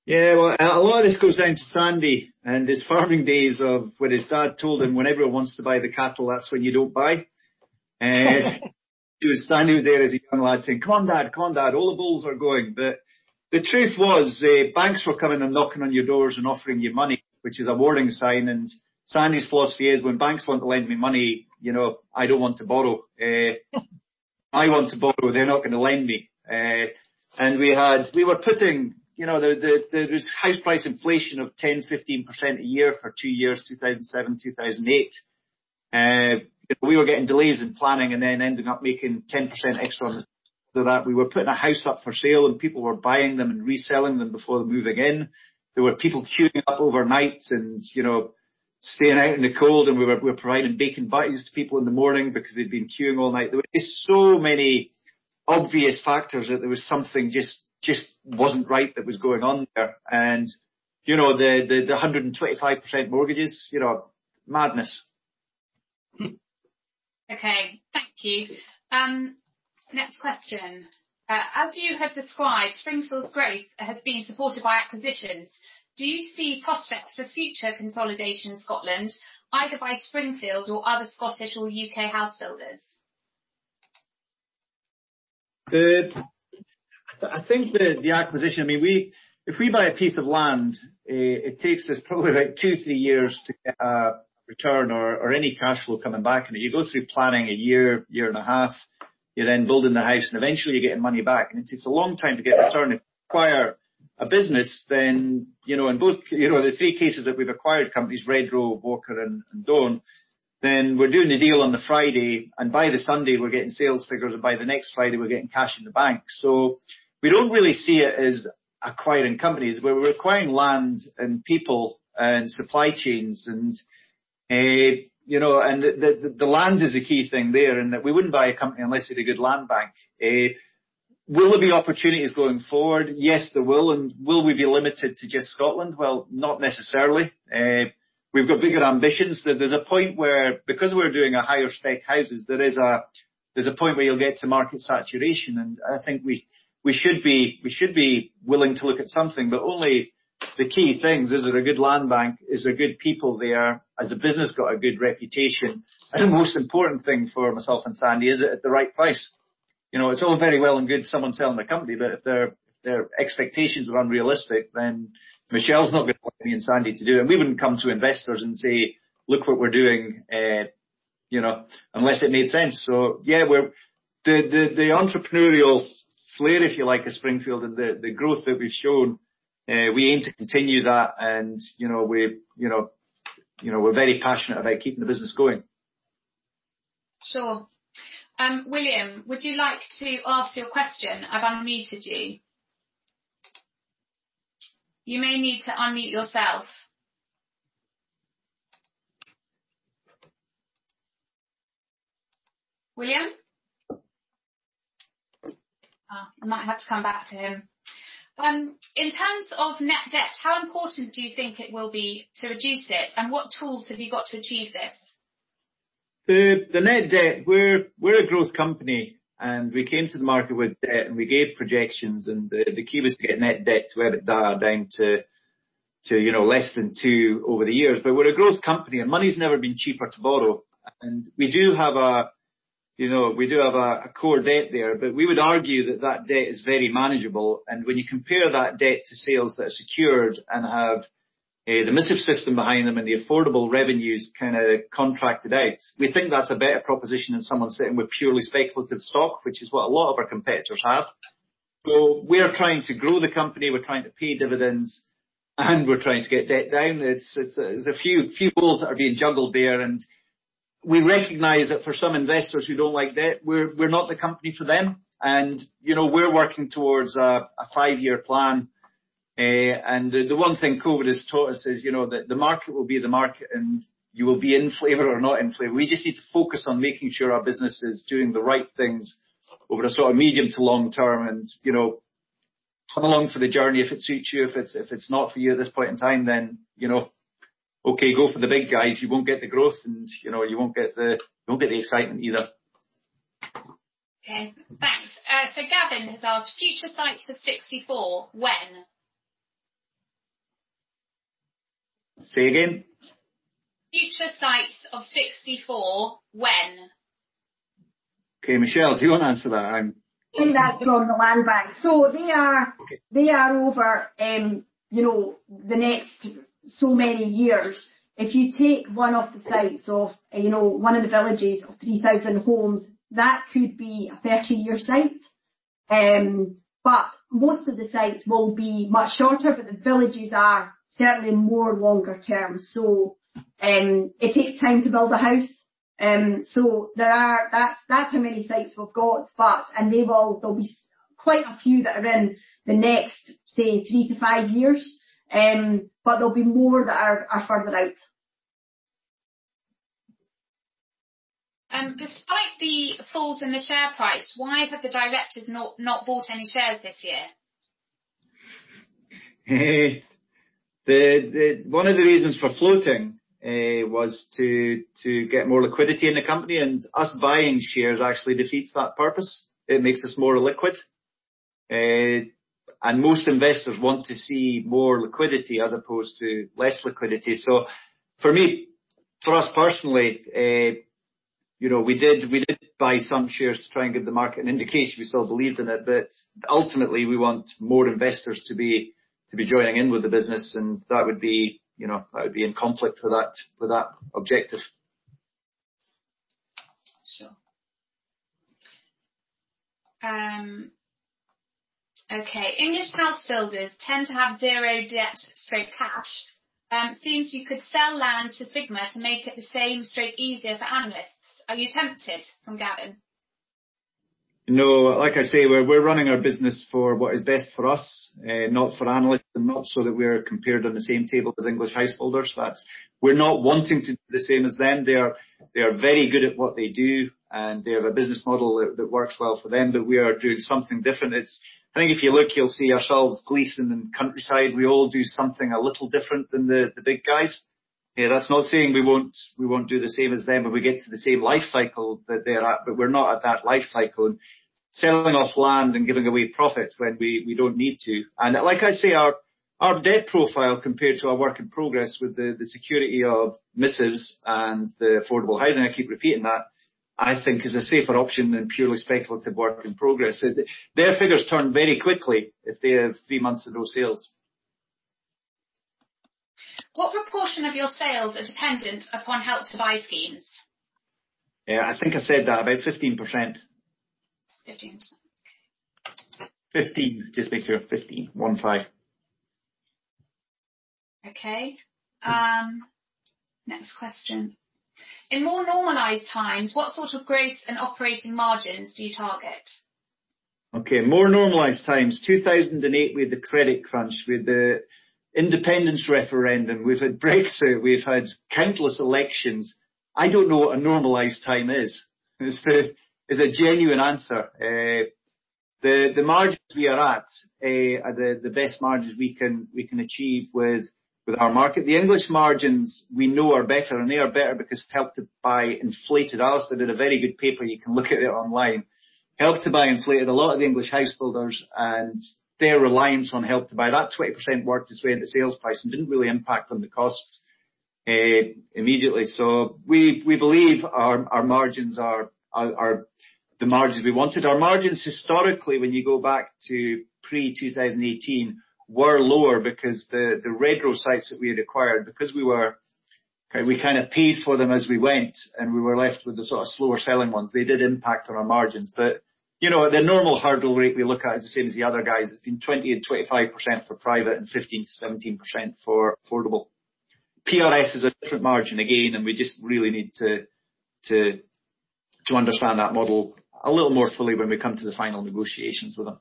[SPEAKER 3] Well, a lot of this goes down to Sandy and his farming days of, when his dad told him whenever he wants to buy the cattle, that's when you don't buy. It was Sandy who was there as a young lad saying, "Calm down, calm down. All the bulls are going." The truth was, banks were coming and knocking on your doors and offering you money, which is a warning sign. Sandy's philosophy is when banks want to lend me money, I don't want to borrow. I want to borrow, they're not gonna lend me. There was house price inflation of 10%, 15% a year for two years, 2007, 2008. We were getting delays in planning and then ending up making 10% extra on it, so that we were putting a house up for sale and people were buying them and reselling them before moving in. There were people queuing up overnight and staying out in the cold and we were providing bacon butties to people in the morning because they'd been queuing all night. There were just so many obvious factors that there was something just wasn't right that was going on there. The 125% mortgages. Madness.
[SPEAKER 1] Okay. Thank you. Next question. As you have described, Springfield's growth has been supported by acquisitions. Do you see prospects for future consolidation in Scotland, either by Springfield or other Scottish or U.K. house builders?
[SPEAKER 3] I think the acquisition, if we buy a piece of land, it takes us probably like two, three years to get a return or any cash flow coming back. You go through planning a year and a half, you're then building the house, and eventually you're getting money back, and it takes a long time to get a return. If you acquire a business, then, in both, the three cases that we've acquired companies, Redrow, Walker & Dawn Homes, then we're doing the deal on the Friday, and by the Sunday, we're getting sales figures, and by the next Friday we're getting cash in the bank. We don't really see it as acquiring companies. We're acquiring land and people and supply chains. The land is a key thing there, and we wouldn't buy a company unless it had a good land bank. Will there be opportunities going forward? Yes, there will. Will we be limited to just Scotland? Well, not necessarily. We've got bigger ambitions. There's a point where because we're doing a higher spec houses, there's a point where you'll get to market saturation, and I think we should be willing to look at something, but only the key things. Is it a good land bank? Is there good people there? Has the business got a good reputation? The most important thing for myself and Sandy, is it at the right price? It's all very well and good someone selling their company, but if their expectations are unrealistic, then Michelle's not gonna want me and Sandy to do it, and we wouldn't come to investors and say, "Look what we're doing," unless it made sense. Yeah, the entrepreneurial flair, if you like, at Springfield and the growth that we've shown, we aim to continue that and we're very passionate about keeping the business going.
[SPEAKER 1] Sure. William, would you like to ask your question? I've unmuted you. You may need to unmute yourself. William? I might have to come back to him. In terms of net debt, how important do you think it will be to reduce it, and what tools have you got to achieve this?
[SPEAKER 3] The net debt, we're a growth company, and we came to the market with debt, and we gave projections, and the key was to get net debt to where it died down to less than two over the years. We're a growth company. Money's never been cheaper to borrow. We do have a core debt there. We would argue that that debt is very manageable. When you compare that debt to sales that are secured and have the missives system behind them and the affordable revenues kind of contracted out. We think that's a better proposition than someone sitting with purely speculative stock, which is what a lot of our competitors have. We're trying to grow the company, we're trying to pay dividends, and we're trying to get debt down. It's a few balls that are being juggled there. We recognize that for some investors who don't like debt, we're not the company for them. We're working towards a five-year plan. The one thing COVID has taught us is that the market will be the market, and you will be in flavor or not in flavor. We just need to focus on making sure our business is doing the right things over a sort of medium to long term, and come along for the journey if it suits you. If it's not for you at this point in time, then okay, go for the big guys. You won't get the growth and you won't get the excitement either.
[SPEAKER 1] Okay, thanks. Gavin has asked, "Future sites of 64, when?
[SPEAKER 3] Say it again.
[SPEAKER 1] Future sites of 64, when?
[SPEAKER 3] Okay, Michelle, do you want to answer that?
[SPEAKER 4] I think that's from the land bank.
[SPEAKER 3] Okay
[SPEAKER 4] they are over the next so many years. If you take one of the sites of one of the villages of 3,000 homes, that could be a 30-year site. Most of the sites will be much shorter, but the villages are certainly more longer term. It takes time to build a house. That's how many sites we've got, and there'll be quite a few that are in the next, say, three to five years, but there'll be more that are further out.
[SPEAKER 1] Despite the falls in the share price, why have the directors not bought any shares this year?
[SPEAKER 3] One of the reasons for floating, was to get more liquidity in the company and us buying shares actually defeats that purpose. It makes us more illiquid. Most investors want to see more liquidity as opposed to less liquidity. For me, for us personally, we did buy some shares to try and give the market an indication we still believed in it. Ultimately, we want more investors to be joining in with the business and that would be in conflict with that objective.
[SPEAKER 4] Sure.
[SPEAKER 1] Okay. "English housebuilders tend to have zero debt/cash. Seems you could sell land to Sigma to make it the same straight easier for analysts. Are you tempted?" From Gavin.
[SPEAKER 3] No. Like I say, we're running our business for what is best for us, not for analysts, and not so that we are compared on the same table as English house builders. We're not wanting to do the same as them. They are very good at what they do. They have a business model that works well for them. We are doing something different. I think if you look, you'll see ourselves, Gleeson and Countryside, we all do something a little different than the big guys. That's not saying we won't do the same as them when we get to the same life cycle that they're at. We're not at that life cycle, selling off land and giving away profit when we don't need to. Like I say, our debt profile compared to our work in progress with the security of missives and the affordable housing, I keep repeating that, I think is a safer option than purely speculative work in progress. Their figures turn very quickly if they have three months of no sales.
[SPEAKER 1] What proportion of your sales are dependent upon Help to Buy schemes?
[SPEAKER 3] I think I said that, about 15%.
[SPEAKER 1] 15%. Okay.
[SPEAKER 3] 15, just make sure. 15. One five.
[SPEAKER 1] Okay. Next question. "In more normalized times, what sort of growth and operating margins do you target?
[SPEAKER 3] More normalized times. 2008, we had the credit crunch, we had the independence referendum, we've had Brexit, we've had countless elections. I don't know what a normalized time is. It's a genuine answer. The margins we are at are the best margins we can achieve with our market. The English margins we know are better, and they are better because Help to Buy inflated. Alastair did a very good paper, you can look at it online. Help to Buy inflated a lot of the English house builders and their reliance on Help to Buy. That 20% worked its way into sales price and didn't really impact on the costs immediately. We believe our margins are the margins we wanted. Our margins historically, when you go back to pre-2018, were lower because the Redrow sites that we had acquired, because we kind of paid for them as we went, and we were left with the sort of slower selling ones. They did impact on our margins. The normal hurdle rate we look at is the same as the other guys. It's been 20% and 25% for private and 15%-17% for affordable. PRS is a different margin again, and we just really need to understand that model a little more fully when we come to the final negotiations with them.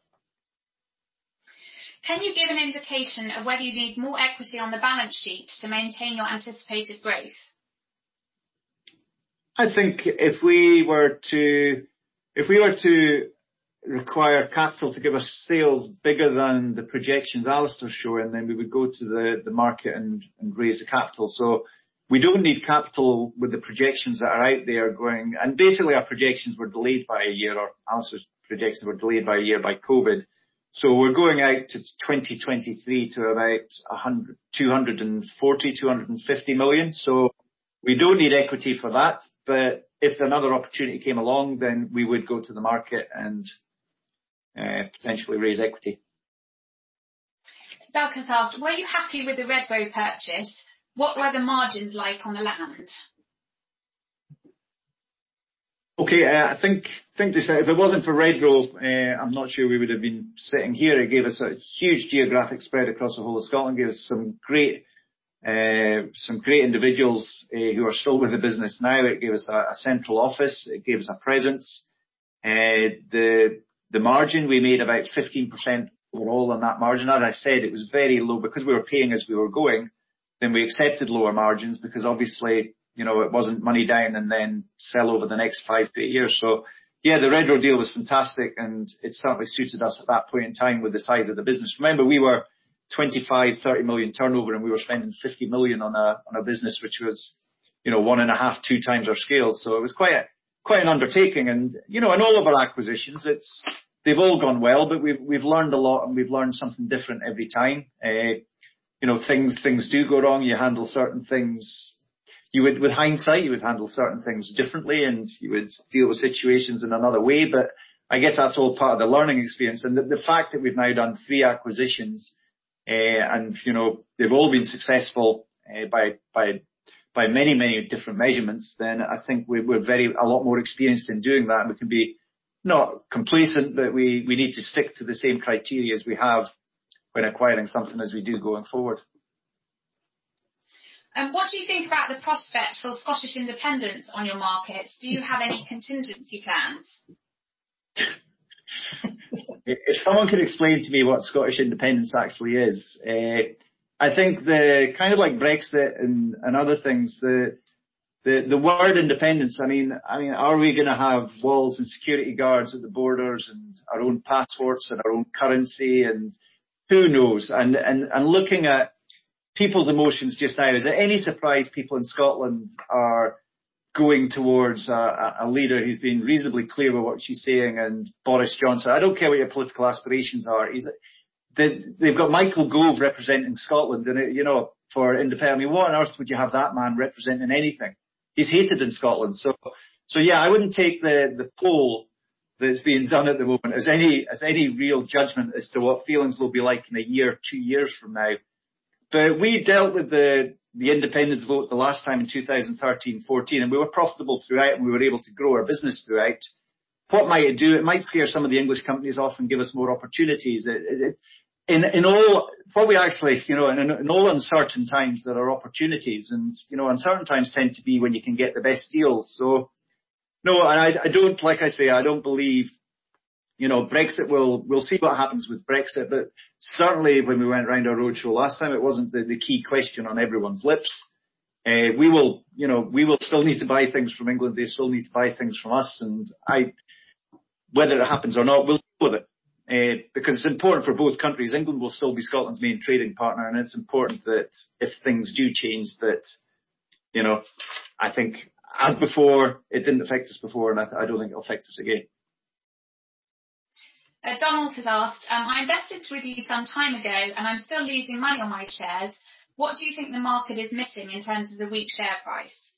[SPEAKER 1] Can you give an indication of whether you need more equity on the balance sheet to maintain your anticipated growth?
[SPEAKER 3] I think if we were to require capital to give us sales bigger than the projections Alastair's showing, then we would go to the market and raise the capital. We don't need capital with the projections that are out there. Basically, our projections were delayed by a year, or Alastair's projections were delayed by a year by COVID. We're going out to 2023 to about 240 million-250 million. We don't need equity for that. If another opportunity came along, then we would go to the market and potentially raise equity.
[SPEAKER 1] Douglas asked, "Were you happy with the Redrow purchase? What were the margins like on the land?
[SPEAKER 3] Okay. I think if it wasn't for Redrow, I'm not sure we would have been sitting here. It gave us a huge geographic spread across the whole of Scotland, gave us some great individuals who are still with the business now. It gave us a central office. It gave us a presence. The margin, we made about 15% overall on that margin. As I said, it was very low because we were paying as we were going, then we accepted lower margins because obviously, it wasn't money down and then sell over the next five to eight years, so yeah, the Redrow deal was fantastic, and it certainly suited us at that point in time with the size of the business. Remember, we were 25 million, 30 million turnover, and we were spending 50 million on a business which was 1x and 2.5x Our scale. It was quite an undertaking and in all of our acquisitions, they've all gone well, but we've learned a lot, and we've learned something different every time. Things do go wrong. With hindsight, you would handle certain things differently, and you would deal with situations in another way, but I guess that's all part of the learning experience. The fact that we've now done three acquisitions, and they've all been successful by many different measurements, then I think we're a lot more experienced in doing that, and we can be, not complacent, but we need to stick to the same criteria as we have when acquiring something as we do going forward.
[SPEAKER 1] What do you think about the prospect for Scottish independence on your market? Do you have any contingency plans?
[SPEAKER 3] If someone could explain to me what Scottish independence actually is. I think kind of like Brexit and other things, the word independence, are we going to have walls and security guards at the borders and our own passports and our own currency? Who knows? Looking at people's emotions just now, is it any surprise people in Scotland are going towards a leader who's been reasonably clear with what she's saying and Boris Johnson I don't care what your political aspirations are. They've got Michael Gove representing Scotland for independence. Why on earth would you have that man representing anything? He's hated in Scotland. Yeah, I wouldn't take the poll that's being done at the moment as any real judgment as to what feelings will be like in a year or two years from now. We dealt with the independence vote the last time in 2013 and 2014, and we were profitable throughout, and we were able to grow our business throughout. What might it do? It might scare some of the English companies off and give us more opportunities. In all uncertain times, there are opportunities and uncertain times tend to be when you can get the best deals. No, like I say, I don't believe We'll see what happens with Brexit, but certainly when we went around our roadshow last time, it wasn't the key question on everyone's lips. We will still need to buy things from England. They still need to buy things from us, and whether it happens or not, we'll deal with it, because it's important for both countries. England will still be Scotland's main trading partner. It's important that if things do change that, I think, as before, it didn't affect us before, and I don't think it'll affect us again.
[SPEAKER 1] Donald has asked, "I invested with you some time ago, and I'm still losing money on my shares. What do you think the market is missing in terms of the weak share price?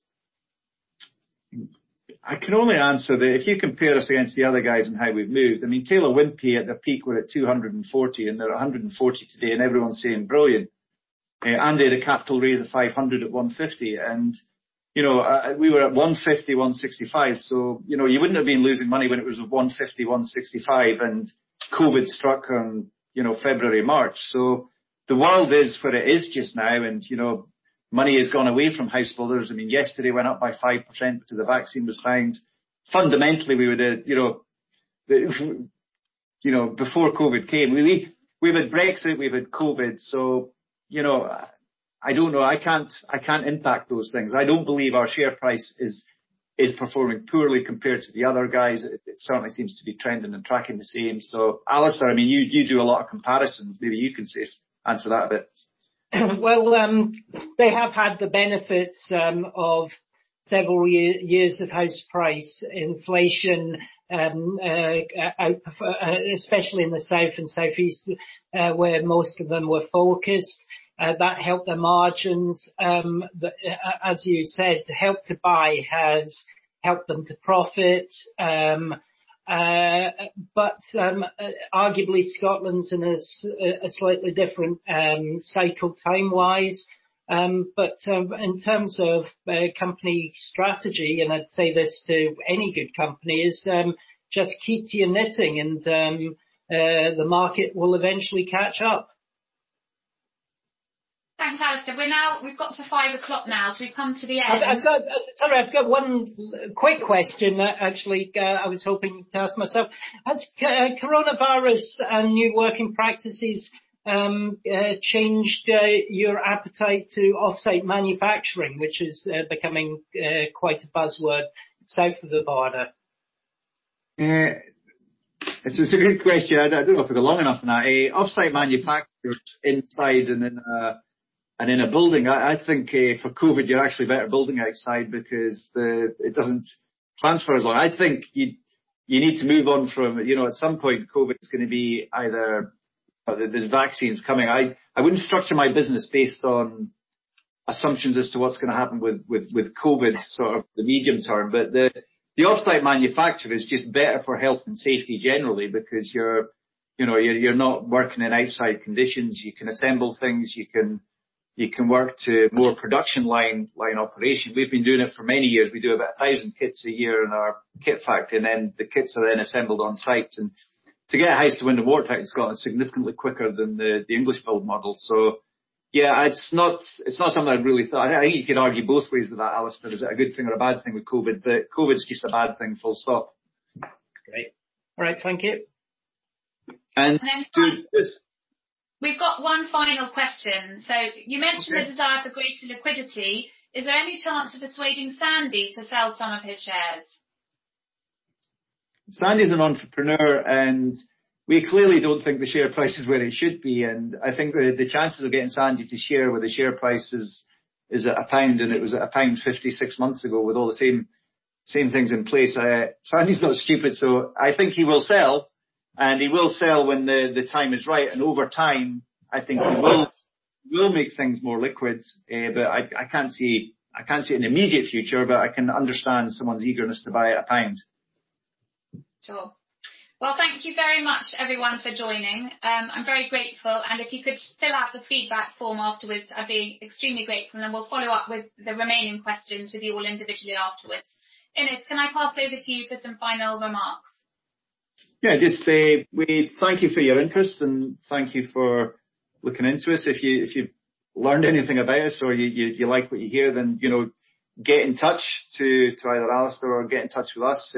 [SPEAKER 3] I can only answer that if you compare us against the other guys and how we've moved, Taylor Wimpey at their peak were at 240, and they're 140 today, and everyone's saying, "Brilliant." They had a capital raise of 500 at 150, and we were at 150, 165. You wouldn't have been losing money when it was 150, 165, and COVID struck on February, March. The world is where it is just now, and money has gone away from house builders. Yesterday went up by 5% because a vaccine was found. Fundamentally, before COVID came, we had Brexit, we've had COVID. I don't know. I can't impact those things. I don't believe our share price is performing poorly compared to the other guys. It certainly seems to be trending and tracking the same. Alastair, you do a lot of comparisons. Maybe you can answer that a bit.
[SPEAKER 2] Well, they have had the benefits of several years of house price inflation, especially in the south and southeast, where most of them were focused. That helped their margins. As you said, Help to Buy has helped them to profit. Arguably, Scotland's in a slightly different cycle time-wise. In terms of company strategy, and I'd say this to any good company, is just keep to your knitting and the market will eventually catch up.
[SPEAKER 1] Thanks, Alastair. We've got to 5:00 P.M. now, so we've come to the end.
[SPEAKER 2] Sorry, I've got one quick question, actually, I was hoping to ask myself. Has coronavirus and new working practices changed your appetite to off-site manufacturing, which is becoming quite a buzzword south of the border?
[SPEAKER 3] It's a good question. I don't know if I've got long enough now. Off-site manufacture inside and in a building, I think for COVID, you're actually better building outside because it doesn't transfer as well. I think you need to move on from At some point, COVID is going to be. There's vaccines coming. I wouldn't structure my business based on assumptions as to what's going to happen with COVID, sort of the medium term. The off-site manufacture is just better for health and safety generally because you're not working in outside conditions. You can assemble things. You can work to more production line operation. We've been doing it for many years. We do about 1,000 kits a year in our kit factory, and then the kits are then assembled on site. To get a house to window water tight in Scotland is significantly quicker than the English build model. Yeah, it's not something I'd really thought. I think you could argue both ways with that, Alastair. Is it a good thing or a bad thing with COVID? COVID's just a bad thing full stop.
[SPEAKER 2] Great. All right. Thank you.
[SPEAKER 3] And-
[SPEAKER 1] And then finally-
[SPEAKER 3] Yes
[SPEAKER 1] ...we've got one final question.
[SPEAKER 3] Okay
[SPEAKER 1] The desire for greater liquidity. Is there any chance of persuading Sandy to sell some of his shares?
[SPEAKER 3] Sandy is an entrepreneur, and we clearly don't think the share price is where it should be. I think the chances of getting Sandy to share with the share price is at GBP 1, and it was at GBP 1.50 six months ago with all the same things in place. Sandy's not stupid, so I think he will sell, and he will sell when the time is right. Over time, I think we will make things more liquid. I can't see in the immediate future, but I can understand someone's eagerness to buy GBP 1.
[SPEAKER 1] Sure. Well, thank you very much everyone for joining. I'm very grateful. If you could fill out the feedback form afterwards, I'd be extremely grateful. We'll follow up with the remaining questions with you all individually afterwards. Innes, can I pass over to you for some final remarks?
[SPEAKER 3] Just say we thank you for your interest and thank you for looking into us. If you've learned anything about us or you like what you hear, get in touch to either Alastair or get in touch with us.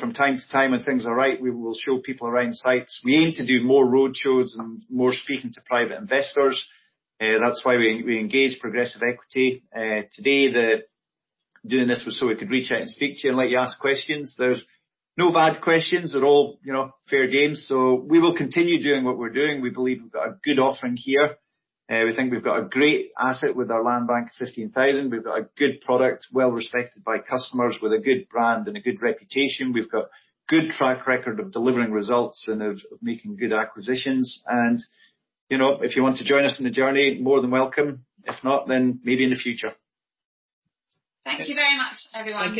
[SPEAKER 3] From time to time when things are right, we will show people around sites. We aim to do more roadshows and more speaking to private investors. That's why we engage Progressive Equity. Today, doing this was so we could reach out and speak to you and let you ask questions. There's no bad questions. They're all fair game. We will continue doing what we're doing. We believe we've got a good offering here. We think we've got a great asset with our land bank of 15,000. We've got a good product, well respected by customers with a good brand and a good reputation. We've got good track record of delivering results and of making good acquisitions. If you want to join us on the journey, more than welcome. If not, maybe in the future.
[SPEAKER 1] Thank you very much, everyone.